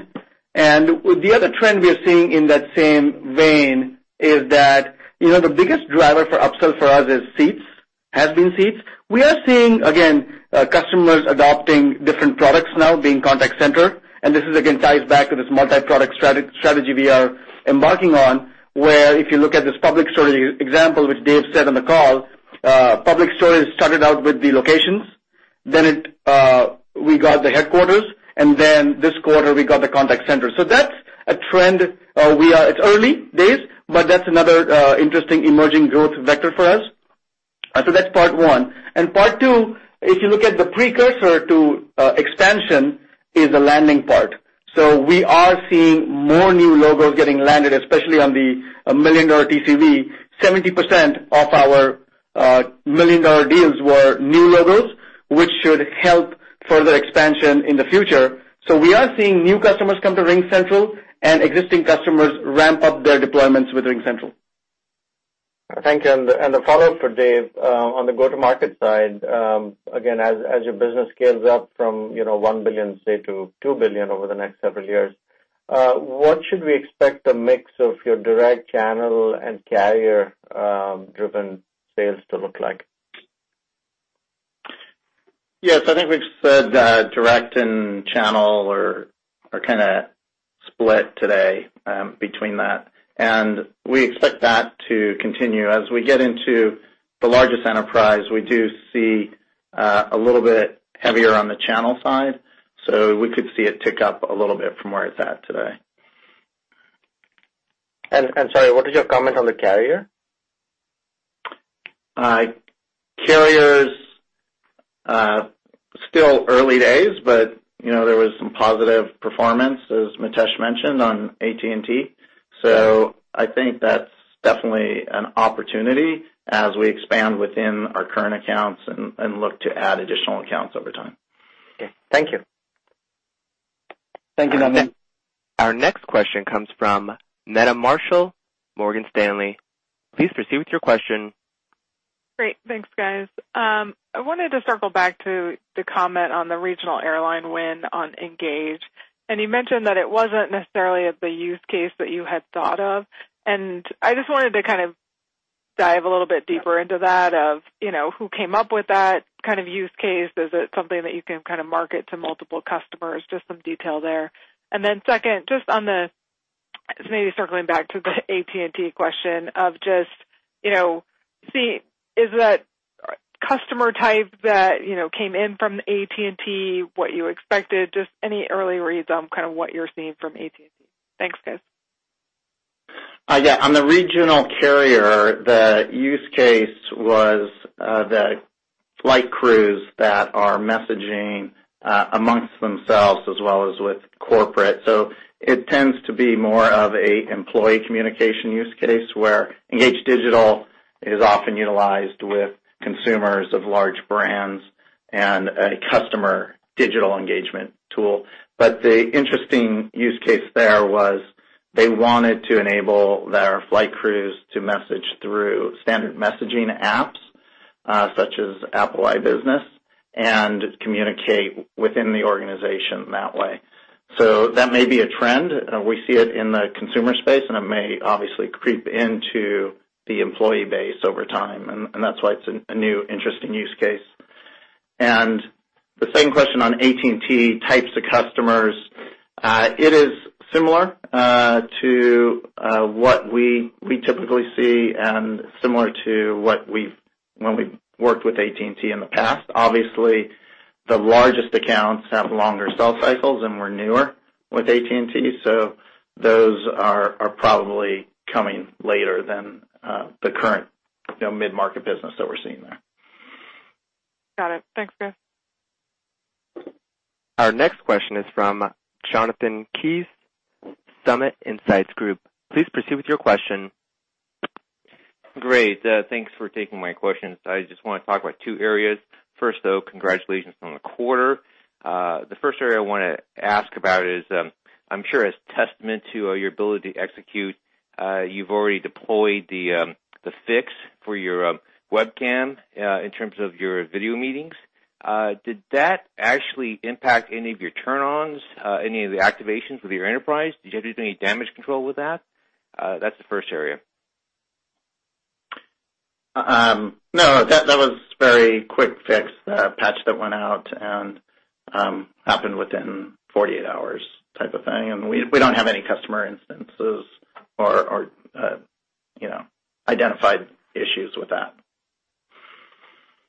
The other trend we are seeing in that same vein is that the biggest driver for upsell for us has been seats. We are seeing, again, customers adopting different products now being contact center, and this again ties back to this multi-product strategy we are embarking on, where if you look at this Public Storage example, which Dave said on the call, Public Storage started out with the locations, then we got the headquarters, and then this quarter we got the contact center. That's a trend. It's early days, but that's another interesting emerging growth vector for us. That's part one. Part two, if you look at the precursor to expansion is the landing part. We are seeing more new logos getting landed, especially on the $1 million TCV. 70% of our $1 million deals were new logos, which should help further expansion in the future. We are seeing new customers come to RingCentral and existing customers ramp up their deployments with RingCentral. Thank you. The follow-up for Dave, on the go-to-market side, again, as your business scales up from $1 billion, say, to $2 billion over the next several years, what should we expect the mix of your direct channel and carrier-driven sales to look like? Yes. I think we've said that direct and channel are kind of split today between that, and we expect that to continue. As we get into the largest enterprise, we do see a little bit heavier on the channel side, so we could see it tick up a little bit from where it's at today. Sorry, what is your comment on the carrier? Carriers, still early days. There was some positive performance, as Mitesh mentioned, on AT&T. I think that's definitely an opportunity as we expand within our current accounts and look to add additional accounts over time. Okay. Thank you. Thank you, Nandan. Our next question comes from Meta Marshall, Morgan Stanley. Please proceed with your question. Great. Thanks, guys. I wanted to circle back to the comment on the regional airline win on Engage. You mentioned that it wasn't necessarily the use case that you had thought of, and I just wanted to kind of dive a little bit deeper into that, of who came up with that kind of use case. Is it something that you can kind of market to multiple customers? Just some detail there. Second, just on the, maybe circling back to the AT&T question of just, is that customer type that came in from AT&T what you expected? Just any early reads on kind of what you're seeing from AT&T. Thanks, guys. On the regional carrier, the use case was the flight crews that are messaging amongst themselves as well as with corporate. It tends to be more of an employee communication use case, where Engage Digital is often utilized with consumers of large brands and a customer digital engagement tool. The interesting use case there was they wanted to enable their flight crews to message through standard messaging apps, such as Apple Business Chat, and communicate within the organization that way. That may be a trend. We see it in the consumer space, and it may obviously creep into the employee base over time, and that's why it's a new interesting use case. The second question on AT&T types of customers, it is similar to what we typically see and similar to when we worked with AT&T in the past. The largest accounts have longer sell cycles and were newer with AT&T. Those are probably coming later than the current mid-market business that we're seeing there. Got it. Thanks, Dave. Our next question is from Jonathan Kees, Summit Insights Group. Please proceed with your question. Great. Thanks for taking my questions. I just want to talk about two areas. First, though, congratulations on the quarter. The first area I want to ask about is, I'm sure as testament to your ability to execute, you've already deployed the fix for your webcam in terms of your video meetings. Did that actually impact any of your turn-ons, any of the activations with your enterprise? Did you have to do any damage control with that? That's the first area. No, that was a very quick fix, a patch that went out and happened within 48 hours type of thing. We don't have any customer instances or identified issues with that.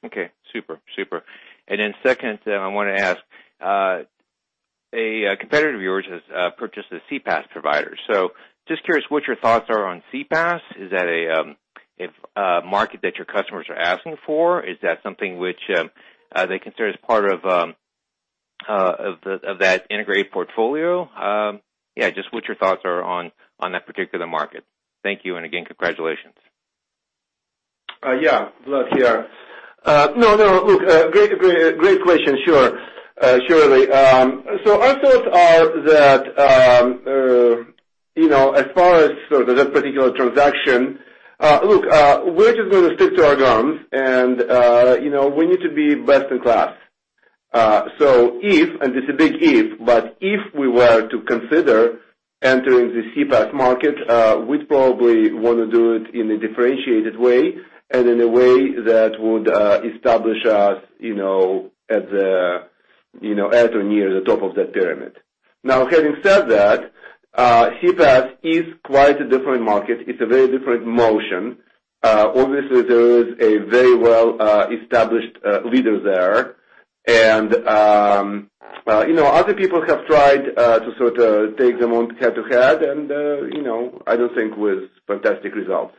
Okay. Super. Second, I want to ask, a competitor of yours has purchased a CPaaS provider. Just curious what your thoughts are on CPaaS. Is that a market that your customers are asking for? Is that something which they consider as part of that integrated portfolio? Just what your thoughts are on that particular market. Thank you, and again, congratulations. Yeah. Vlad here. Look, great question. Sure. Shirley. Our thoughts are that, as far as that particular transaction, look, we're just going to stick to our guns and we need to be best in class. If, and it's a big if, but if we were to consider entering the CPaaS market, we'd probably want to do it in a differentiated way and in a way that would establish us at or near the top of that pyramid. Having said that, CPaaS is quite a different market. It's a very different motion. Obviously, there is a very well-established leader there. Other people have tried to take them on head-to-head, and I don't think with fantastic results.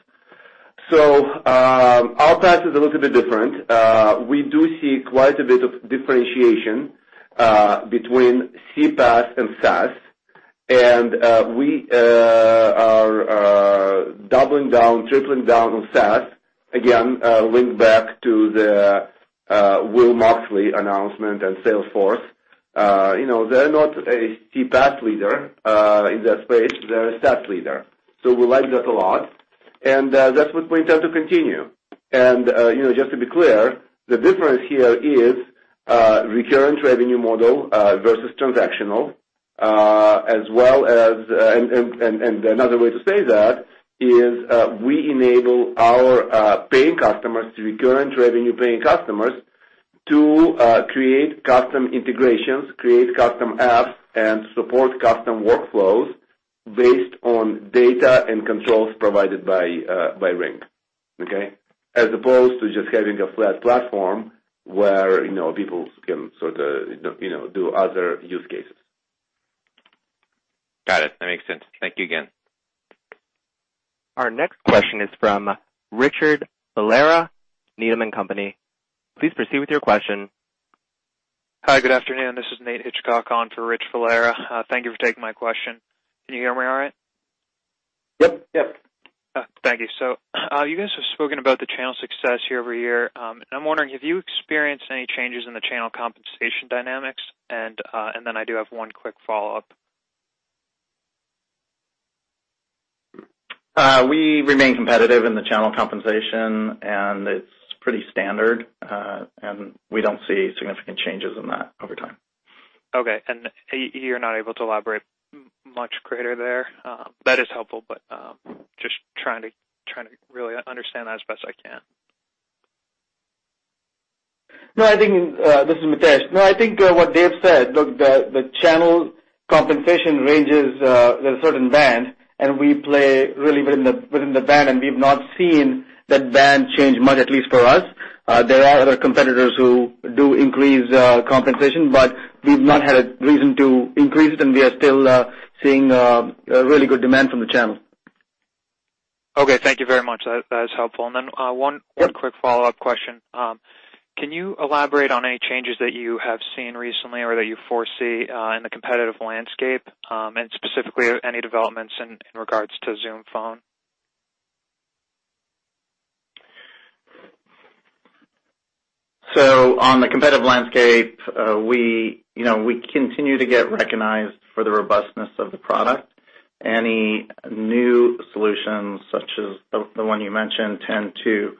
Our path is a little bit different. We do see quite a bit of differentiation between CPaaS and SaaS, and we are doubling down, tripling down on SaaS. Link back to the Will Moxley announcement and Salesforce. They're not a CPaaS leader in that space. They're a SaaS leader. We like that a lot, and that's what we intend to continue. Just to be clear, the difference here is recurring revenue model versus transactional, and another way to say that is we enable our paying customers, the recurring revenue-paying customers, to create custom integrations, create custom apps, and support custom workflows based on data and controls provided by RingCentral, okay? As opposed to just having a flat platform where people can do other use cases. Got it. That makes sense. Thank you again. Our next question is from Richard Valera, Needham and Company. Please proceed with your question. Hi, good afternoon. This is Nate Hitchcock on for Rich Valera. Thank you for taking my question. Can you hear me all right? Yep. Thank you. You guys have spoken about the channel success year-over-year. I'm wondering, have you experienced any changes in the channel compensation dynamics? I do have one quick follow-up. We remain competitive in the channel compensation, and it's pretty standard. We don't see significant changes in that over time. Okay. You're not able to elaborate much greater there? That is helpful, but just trying to really understand that as best I can. No, I think, this is Mitesh. No, I think what Dave said, look, the channel compensation ranges with a certain band, and we play really within the band, and we've not seen that band change much, at least for us. There are other competitors who do increase compensation, but we've not had a reason to increase it, and we are still seeing really good demand from the channel. Okay. Thank you very much. That is helpful. One quick follow-up question. Can you elaborate on any changes that you have seen recently or that you foresee in the competitive landscape, and specifically any developments in regards to Zoom Phone? On the competitive landscape, we continue to get recognized for the robustness of the product. Any new solutions, such as the one you mentioned, tend to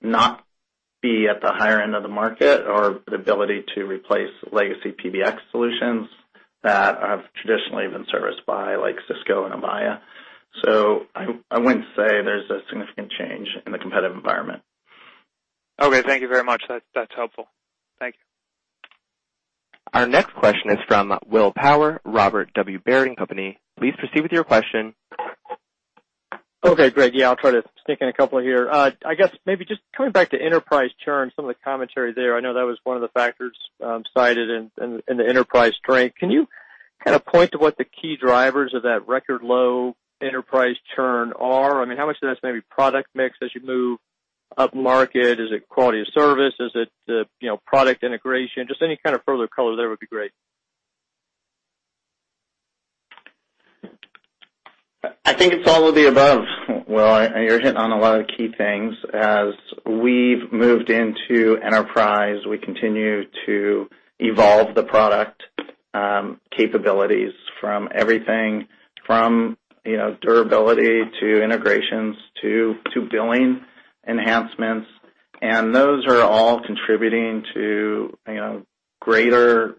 not be at the higher end of the market, or the ability to replace legacy PBX solutions that have traditionally been serviced by Cisco and Avaya. I wouldn't say there's a significant change in the competitive environment. Okay. Thank you very much. That's helpful. Thank you. Our next question is from Will Power, Robert W. Baird and Company. Please proceed with your question. Okay, great. Yeah, I'll try to sneak in a couple here. I guess maybe just coming back to enterprise churn, some of the commentary there, I know that was one of the factors cited in the enterprise strength. Can you kind of point to what the key drivers of that record low enterprise churn are? How much of that's maybe product mix as you move up market? Is it quality of service? Is it product integration? Just any kind of further color there would be great. I think it's all of the above, Will. You're hitting on a lot of key things. As we've moved into enterprise, we continue to evolve the product capabilities from everything from durability to integrations to billing enhancements. Those are all contributing to greater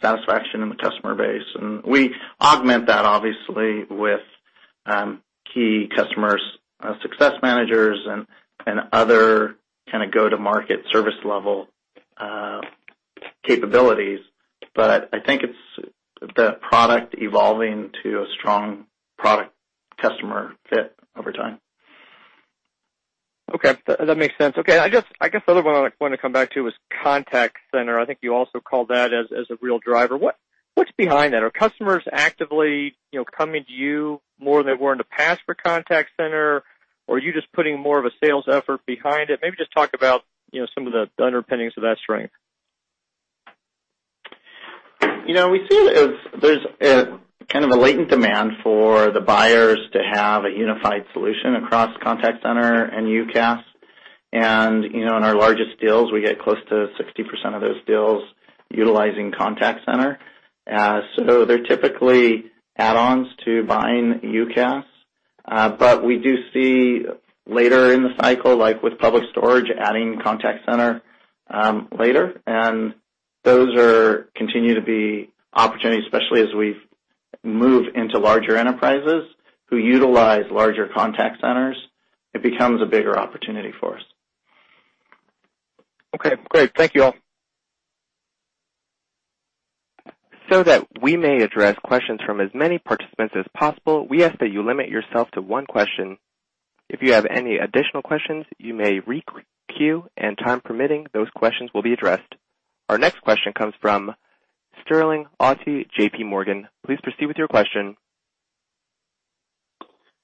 satisfaction in the customer base. We augment that, obviously, with key customers, success managers, and other go-to-market service level capabilities. I think it's the product evolving to a strong product-customer fit over time. That makes sense. I guess the other one I wanted to come back to was contact center. I think you also called that as a real driver. What's behind that? Are customers actively coming to you more than they were in the past for contact center, or are you just putting more of a sales effort behind it? Maybe just talk about some of the underpinnings of that strength. We see there's kind of a latent demand for the buyers to have a unified solution across contact center and UCaaS. In our largest deals, we get close to 60% of those deals utilizing contact center. They're typically add-ons to buying UCaaS. We do see later in the cycle, like with Public Storage, adding contact center later. Those continue to be opportunities, especially as we move into larger enterprises who utilize larger contact centers, it becomes a bigger opportunity for us. Okay, great. Thank you all. That we may address questions from as many participants as possible, we ask that you limit yourself to one question. If you have any additional questions, you may re-queue, and time permitting, those questions will be addressed. Our next question comes from Sterling Auty, JP Morgan. Please proceed with your question.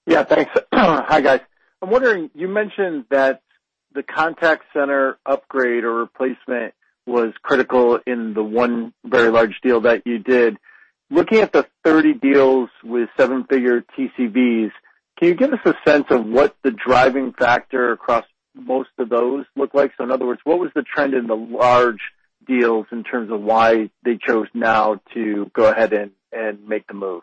Yeah, thanks. Hi, guys. I'm wondering, you mentioned that the contact center upgrade or replacement was critical in the one very large deal that you did. Looking at the 30 deals with seven-figure TCVs, can you give us a sense of what the driving factor across most of those look like? In other words, what was the trend in the large deals in terms of why they chose now to go ahead and make the move?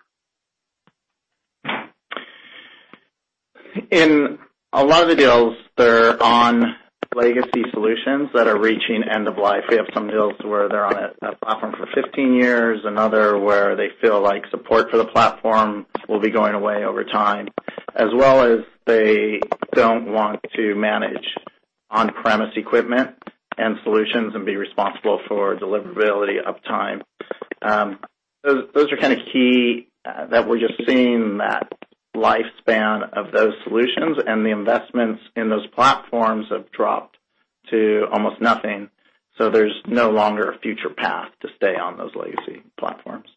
In a lot of the deals, they're on legacy solutions that are reaching end of life. We have some deals where they're on a platform for 15 years, another where they feel like support for the platform will be going away over time, as well as they don't want to manage on-premise equipment and solutions and be responsible for deliverability uptime. Those are kind of key that we're just seeing that lifespan of those solutions, and the investments in those platforms have dropped to almost nothing, so there's no longer a future path to stay on those legacy platforms.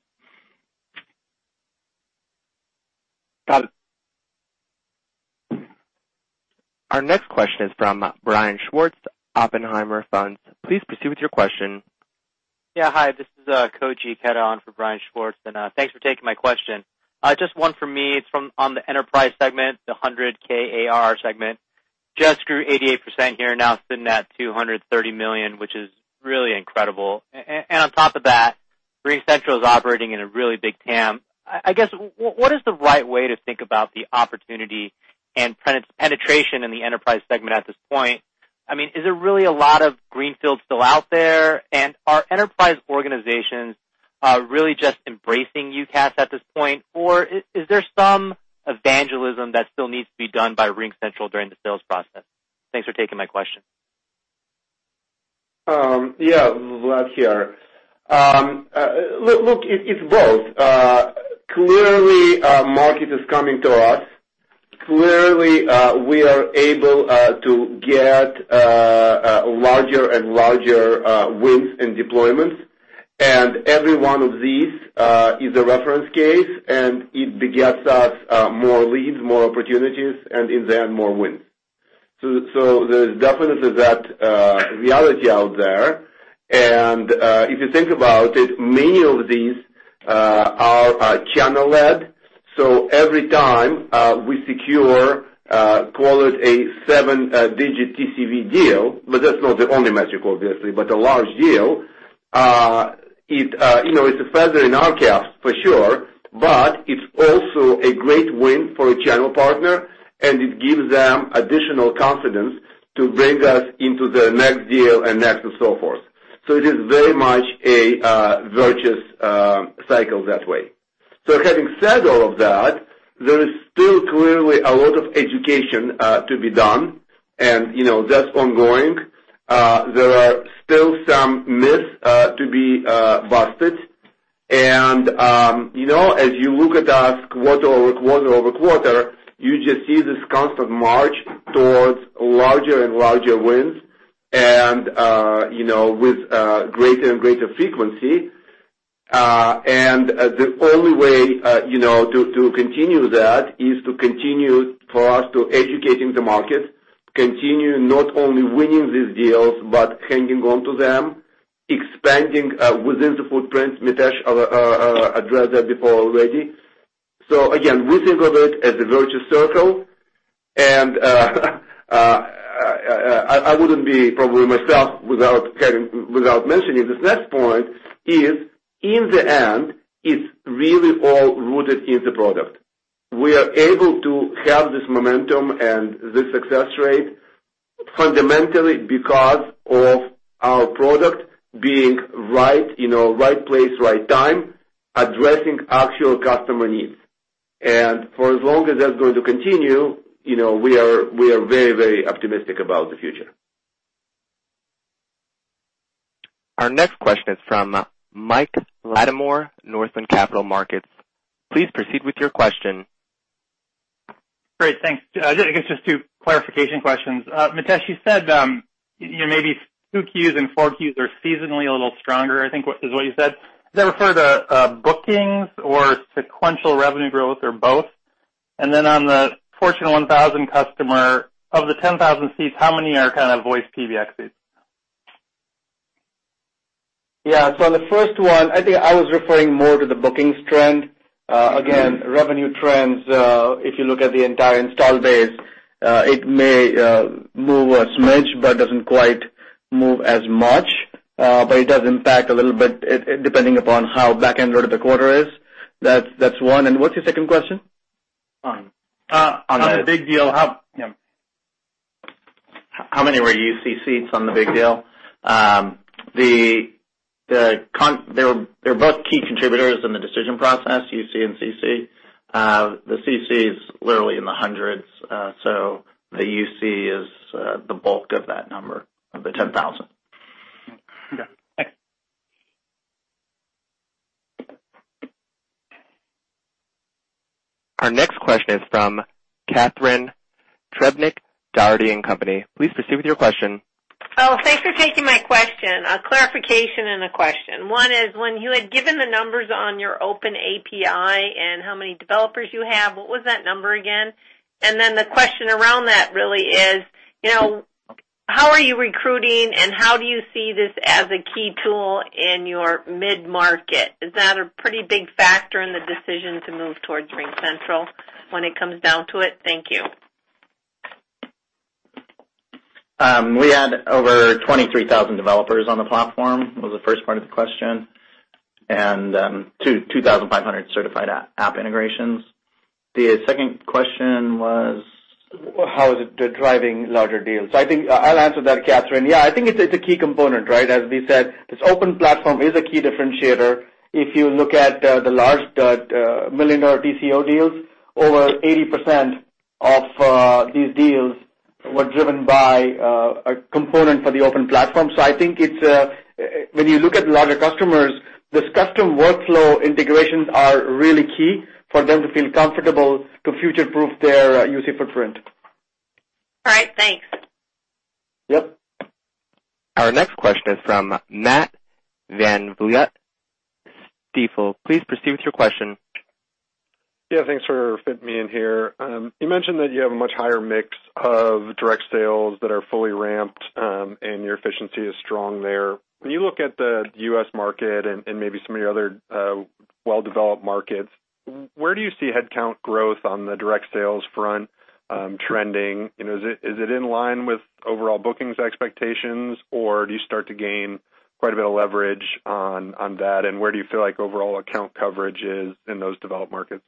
Got it. Our next question is from Brian Schwartz, Oppenheimer. Please proceed with your question. Yeah. Hi, this is Koji Ikeda on for Brian Schwartz, and thanks for taking my question. Just one for me. It's on the enterprise segment, the 100K ARR segment. Just grew 88% year-over-year now sitting at $230 million, which is really incredible. On top of that, RingCentral is operating in a really big TAM. I guess, what is the right way to think about the opportunity and penetration in the enterprise segment at this point? Is there really a lot of greenfield still out there? Are enterprise organizations really just embracing UCaaS at this point, or is there some evangelism that still needs to be done by RingCentral during the sales process? Thanks for taking my question. Yeah. Vlad here. Look, it's both. Clearly, market is coming to us. Clearly, we are able to get larger and larger wins in deployments. Every one of these is a reference case, and it begets us more leads, more opportunities, and in the end, more wins. There's definitely that reality out there. If you think about it, many of these are channel-led. Every time we secure, call it a seven-digit TCV deal, but that's not the only metric, obviously, but a large deal, it's a feather in our caps for sure, but it's also a great win for a channel partner, and it gives them additional confidence to bring us into the next deal and next, and so forth. It is very much a virtuous cycle that way. Having said all of that, there is still clearly a lot of education to be done, and that's ongoing. There are still some myths to be busted. As you look at us quarter over quarter over quarter, you just see this constant march towards larger and larger wins and with greater and greater frequency. The only way to continue that is to continue for us to educating the market, continue not only winning these deals, but hanging on to them, expanding within the footprint Mitesh addressed that before already. Again, we think of it as a virtuous circle. I wouldn't be probably myself without mentioning this next point is, in the end, it's really all rooted in the product. We are able to have this momentum and this success rate fundamentally because of our product being right place, right time, addressing actual customer needs. For as long as that's going to continue, we are very optimistic about the future. Our next question is from Mike Latimore, Northland Capital Markets. Please proceed with your question. Great. Thanks. I guess just two clarification questions. Mitesh, you said maybe 2Qs and 4Qs are seasonally a little stronger, I think is what you said. Is that referred to bookings or sequential revenue growth, or both? And then on the Fortune 1000 customer, of the 10,000 seats, how many are kind of voice PBX seats? Yeah. On the first one, I think I was referring more to the bookings trend. Again, revenue trends, if you look at the entire install base, it may move a smidge but doesn't quite move as much. It does impact a little bit depending upon how back-ended the quarter is. That's one, and what's your second question? On the big deal, how many were UC seats on the big deal? They're both key contributors in the decision process, UC and CC. The CC is literally in the hundreds, the UC is the bulk of that number, of the 10,000. Okay. Thanks. Our next question is from Catharine Trebnick, Dougherty & Company. Please proceed with your question. Oh, thanks for taking my question. A clarification and a question. One is, when you had given the numbers on your open API and how many developers you have, what was that number again? Then the question around that really is, how are you recruiting and how do you see this as a key tool in your mid-market? Is that a pretty big factor in the decision to move towards RingCentral when it comes down to it? Thank you. We had over 23,000 developers on the platform, was the first part of the question, and 2,500 certified app integrations. The second question was? How is it driving larger deals? I think I'll answer that, Catharine. Yeah, I think it's a key component, right? As we said, this open platform is a key differentiator. If you look at the large million-dollar TCV deals, over 80% of these deals were driven by a component for the open platform. I think when you look at larger customers, these custom workflow integrations are really key for them to feel comfortable to future-proof their UC footprint. All right. Thanks. Yep. Our next question is from Matt VanVliet, Stifel. Please proceed with your question. Yeah, thanks for fitting me in here. You mentioned that you have a much higher mix of direct sales that are fully ramped, and your efficiency is strong there. When you look at the U.S. market and maybe some of your other well-developed markets, where do you see headcount growth on the direct sales front trending? Is it in line with overall bookings expectations or do you start to gain quite a bit of leverage on that? Where do you feel like overall account coverage is in those developed markets?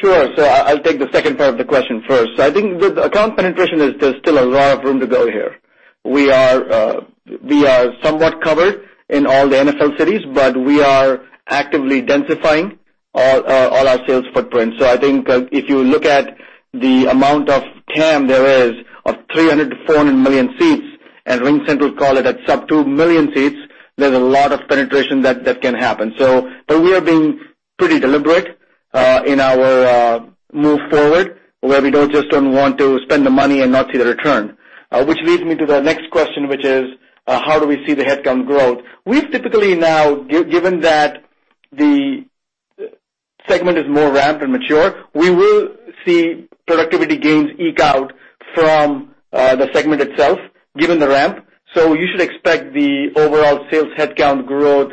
Sure. I'll take the second part of the question first. I think with account penetration, there's still a lot of room to go here. We are somewhat covered in all the NFL cities, but we are actively densifying all our sales footprints. I think if you look at the amount of TAM there is of 300 million-400 million seats, and RingCentral call it at sub-2 million seats, there's a lot of penetration that can happen. We are being pretty deliberate in our move forward, where we just don't want to spend the money and not see the return. Which leads me to the next question, which is, how do we see the headcount growth? We've typically now, given that the segment is more ramped and mature, we will see productivity gains eke out from the segment itself, given the ramp. You should expect the overall sales headcount growth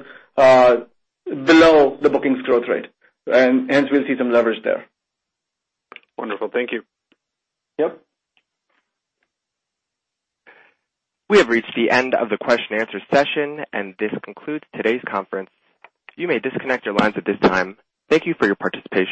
below the bookings growth rate, and hence we'll see some leverage there. Wonderful. Thank you. Yep. We have reached the end of the question and answer session. This concludes today's conference. You may disconnect your lines at this time. Thank you for your participation.